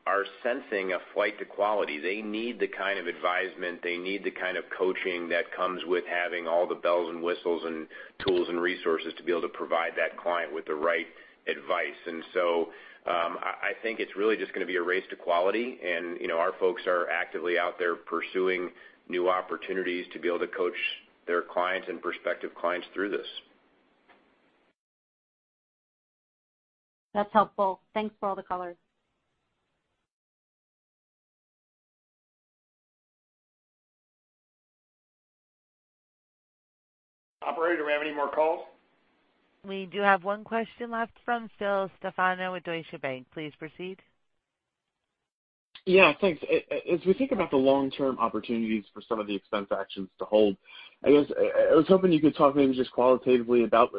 are sensing a flight to quality. They need the kind of advisement. They need the kind of coaching that comes with having all the bells and whistles and tools and resources to be able to provide that client with the right advice. I think it's really just going to be a race to quality. Our folks are actively out there pursuing new opportunities to be able to coach their clients and prospective clients through this. That's helpful. Thanks for all the callers. Operator, do we have any more calls? We do have one question left from Phil Stefano with Deutsche Bank. Please proceed. Yeah. Thanks. As we think about the long-term opportunities for some of the expense actions to hold, I was hoping you could talk maybe just qualitatively about,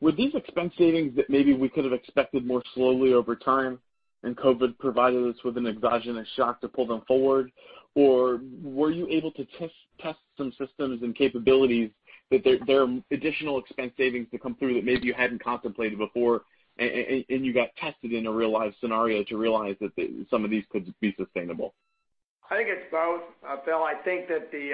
were these expense savings that maybe we could have expected more slowly over time and COVID provided us with an exogenous shock to pull them forward? Or were you able to test some systems and capabilities that there are additional expense savings to come through that maybe you had not contemplated before, and you got tested in a real-life scenario to realize that some of these could be sustainable? I think it is both, Phil. I think that the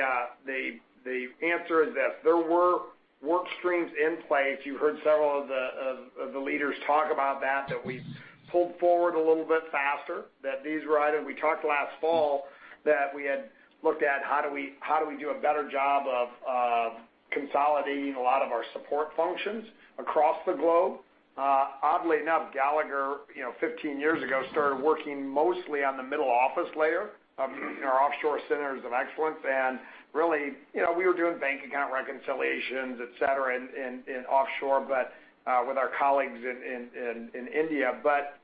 answer is yes. There were work streams in place. You heard several of the leaders talk about that, that we pulled forward a little bit faster, that these were items. We talked last fall that we had looked at how do we do a better job of consolidating a lot of our support functions across the globe. Oddly enough, Gallagher, 15 years ago, started working mostly on the middle office layer of our offshore centers of excellence. And really, we were doing bank account reconciliations, etc., in offshore with our colleagues in India.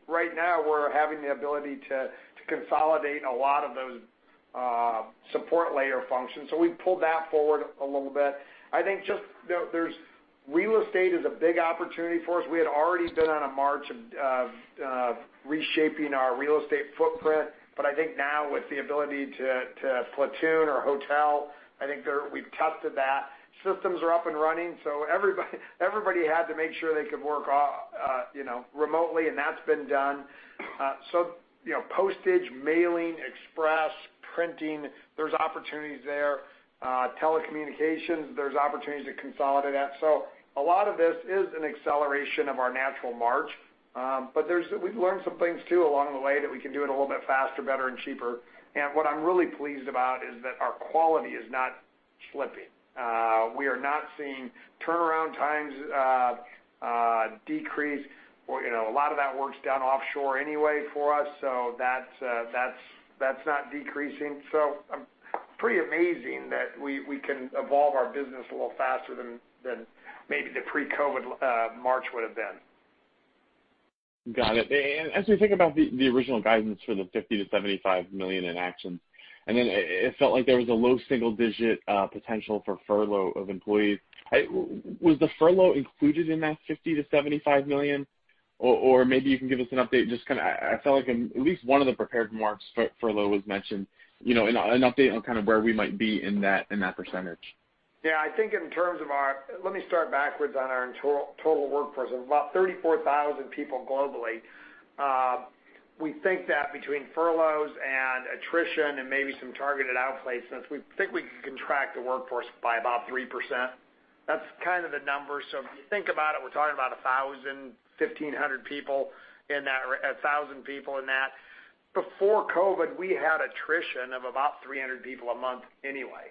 Right now, we're having the ability to consolidate a lot of those support layer functions. We pulled that forward a little bit. I think just real estate is a big opportunity for us. We had already been on a march of reshaping our real estate footprint, but I think now with the ability to platoon or hotel, I think we've tested that. Systems are up and running. Everybody had to make sure they could work remotely, and that's been done. Postage, mailing, express, printing, there's opportunities there. Telecommunications, there's opportunities to consolidate that. A lot of this is an acceleration of our natural march. We've learned some things too along the way that we can do it a little bit faster, better, and cheaper. What I'm really pleased about is that our quality is not slipping. We are not seeing turnaround times decrease. A lot of that works down offshore anyway for us, so that's not decreasing. Pretty amazing that we can evolve our business a little faster than maybe the pre-COVID march would have been. Got it. As we think about the original guidance for the $50 million-$75 million in actions, and then it felt like there was a low single-digit potential for furlough of employees. Was the furlough included in that $50 million-$75 million? Maybe you can give us an update. Just kind of I felt like at least one of the prepared marks for furlough was mentioned. An update on kind of where we might be in that percentage. Yeah. I think in terms of our, let me start backwards on our total workforce. About 34,000 people globally. We think that between furloughs and attrition and maybe some targeted outplacements, we think we can contract the workforce by about 3%. That's kind of the numbers. If you think about it, we're talking about 1,000-1,500 people in that, 1,000 people in that. Before COVID, we had attrition of about 300 people a month anyway.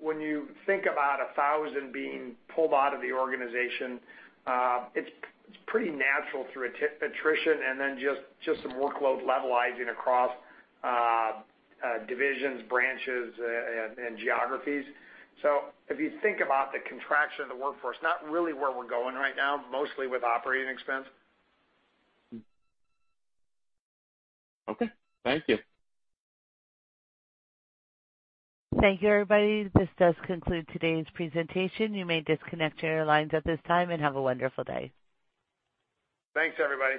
When you think about 1,000 being pulled out of the organization, it's pretty natural through attrition and then just some workload levelizing across divisions, branches, and geographies. If you think about the contraction of the workforce, not really where we're going right now, mostly with operating expense. Okay. Thank you. Thank you, everybody. This does conclude today's presentation. You may disconnect your lines at this time and have a wonderful day. Thanks, everybody.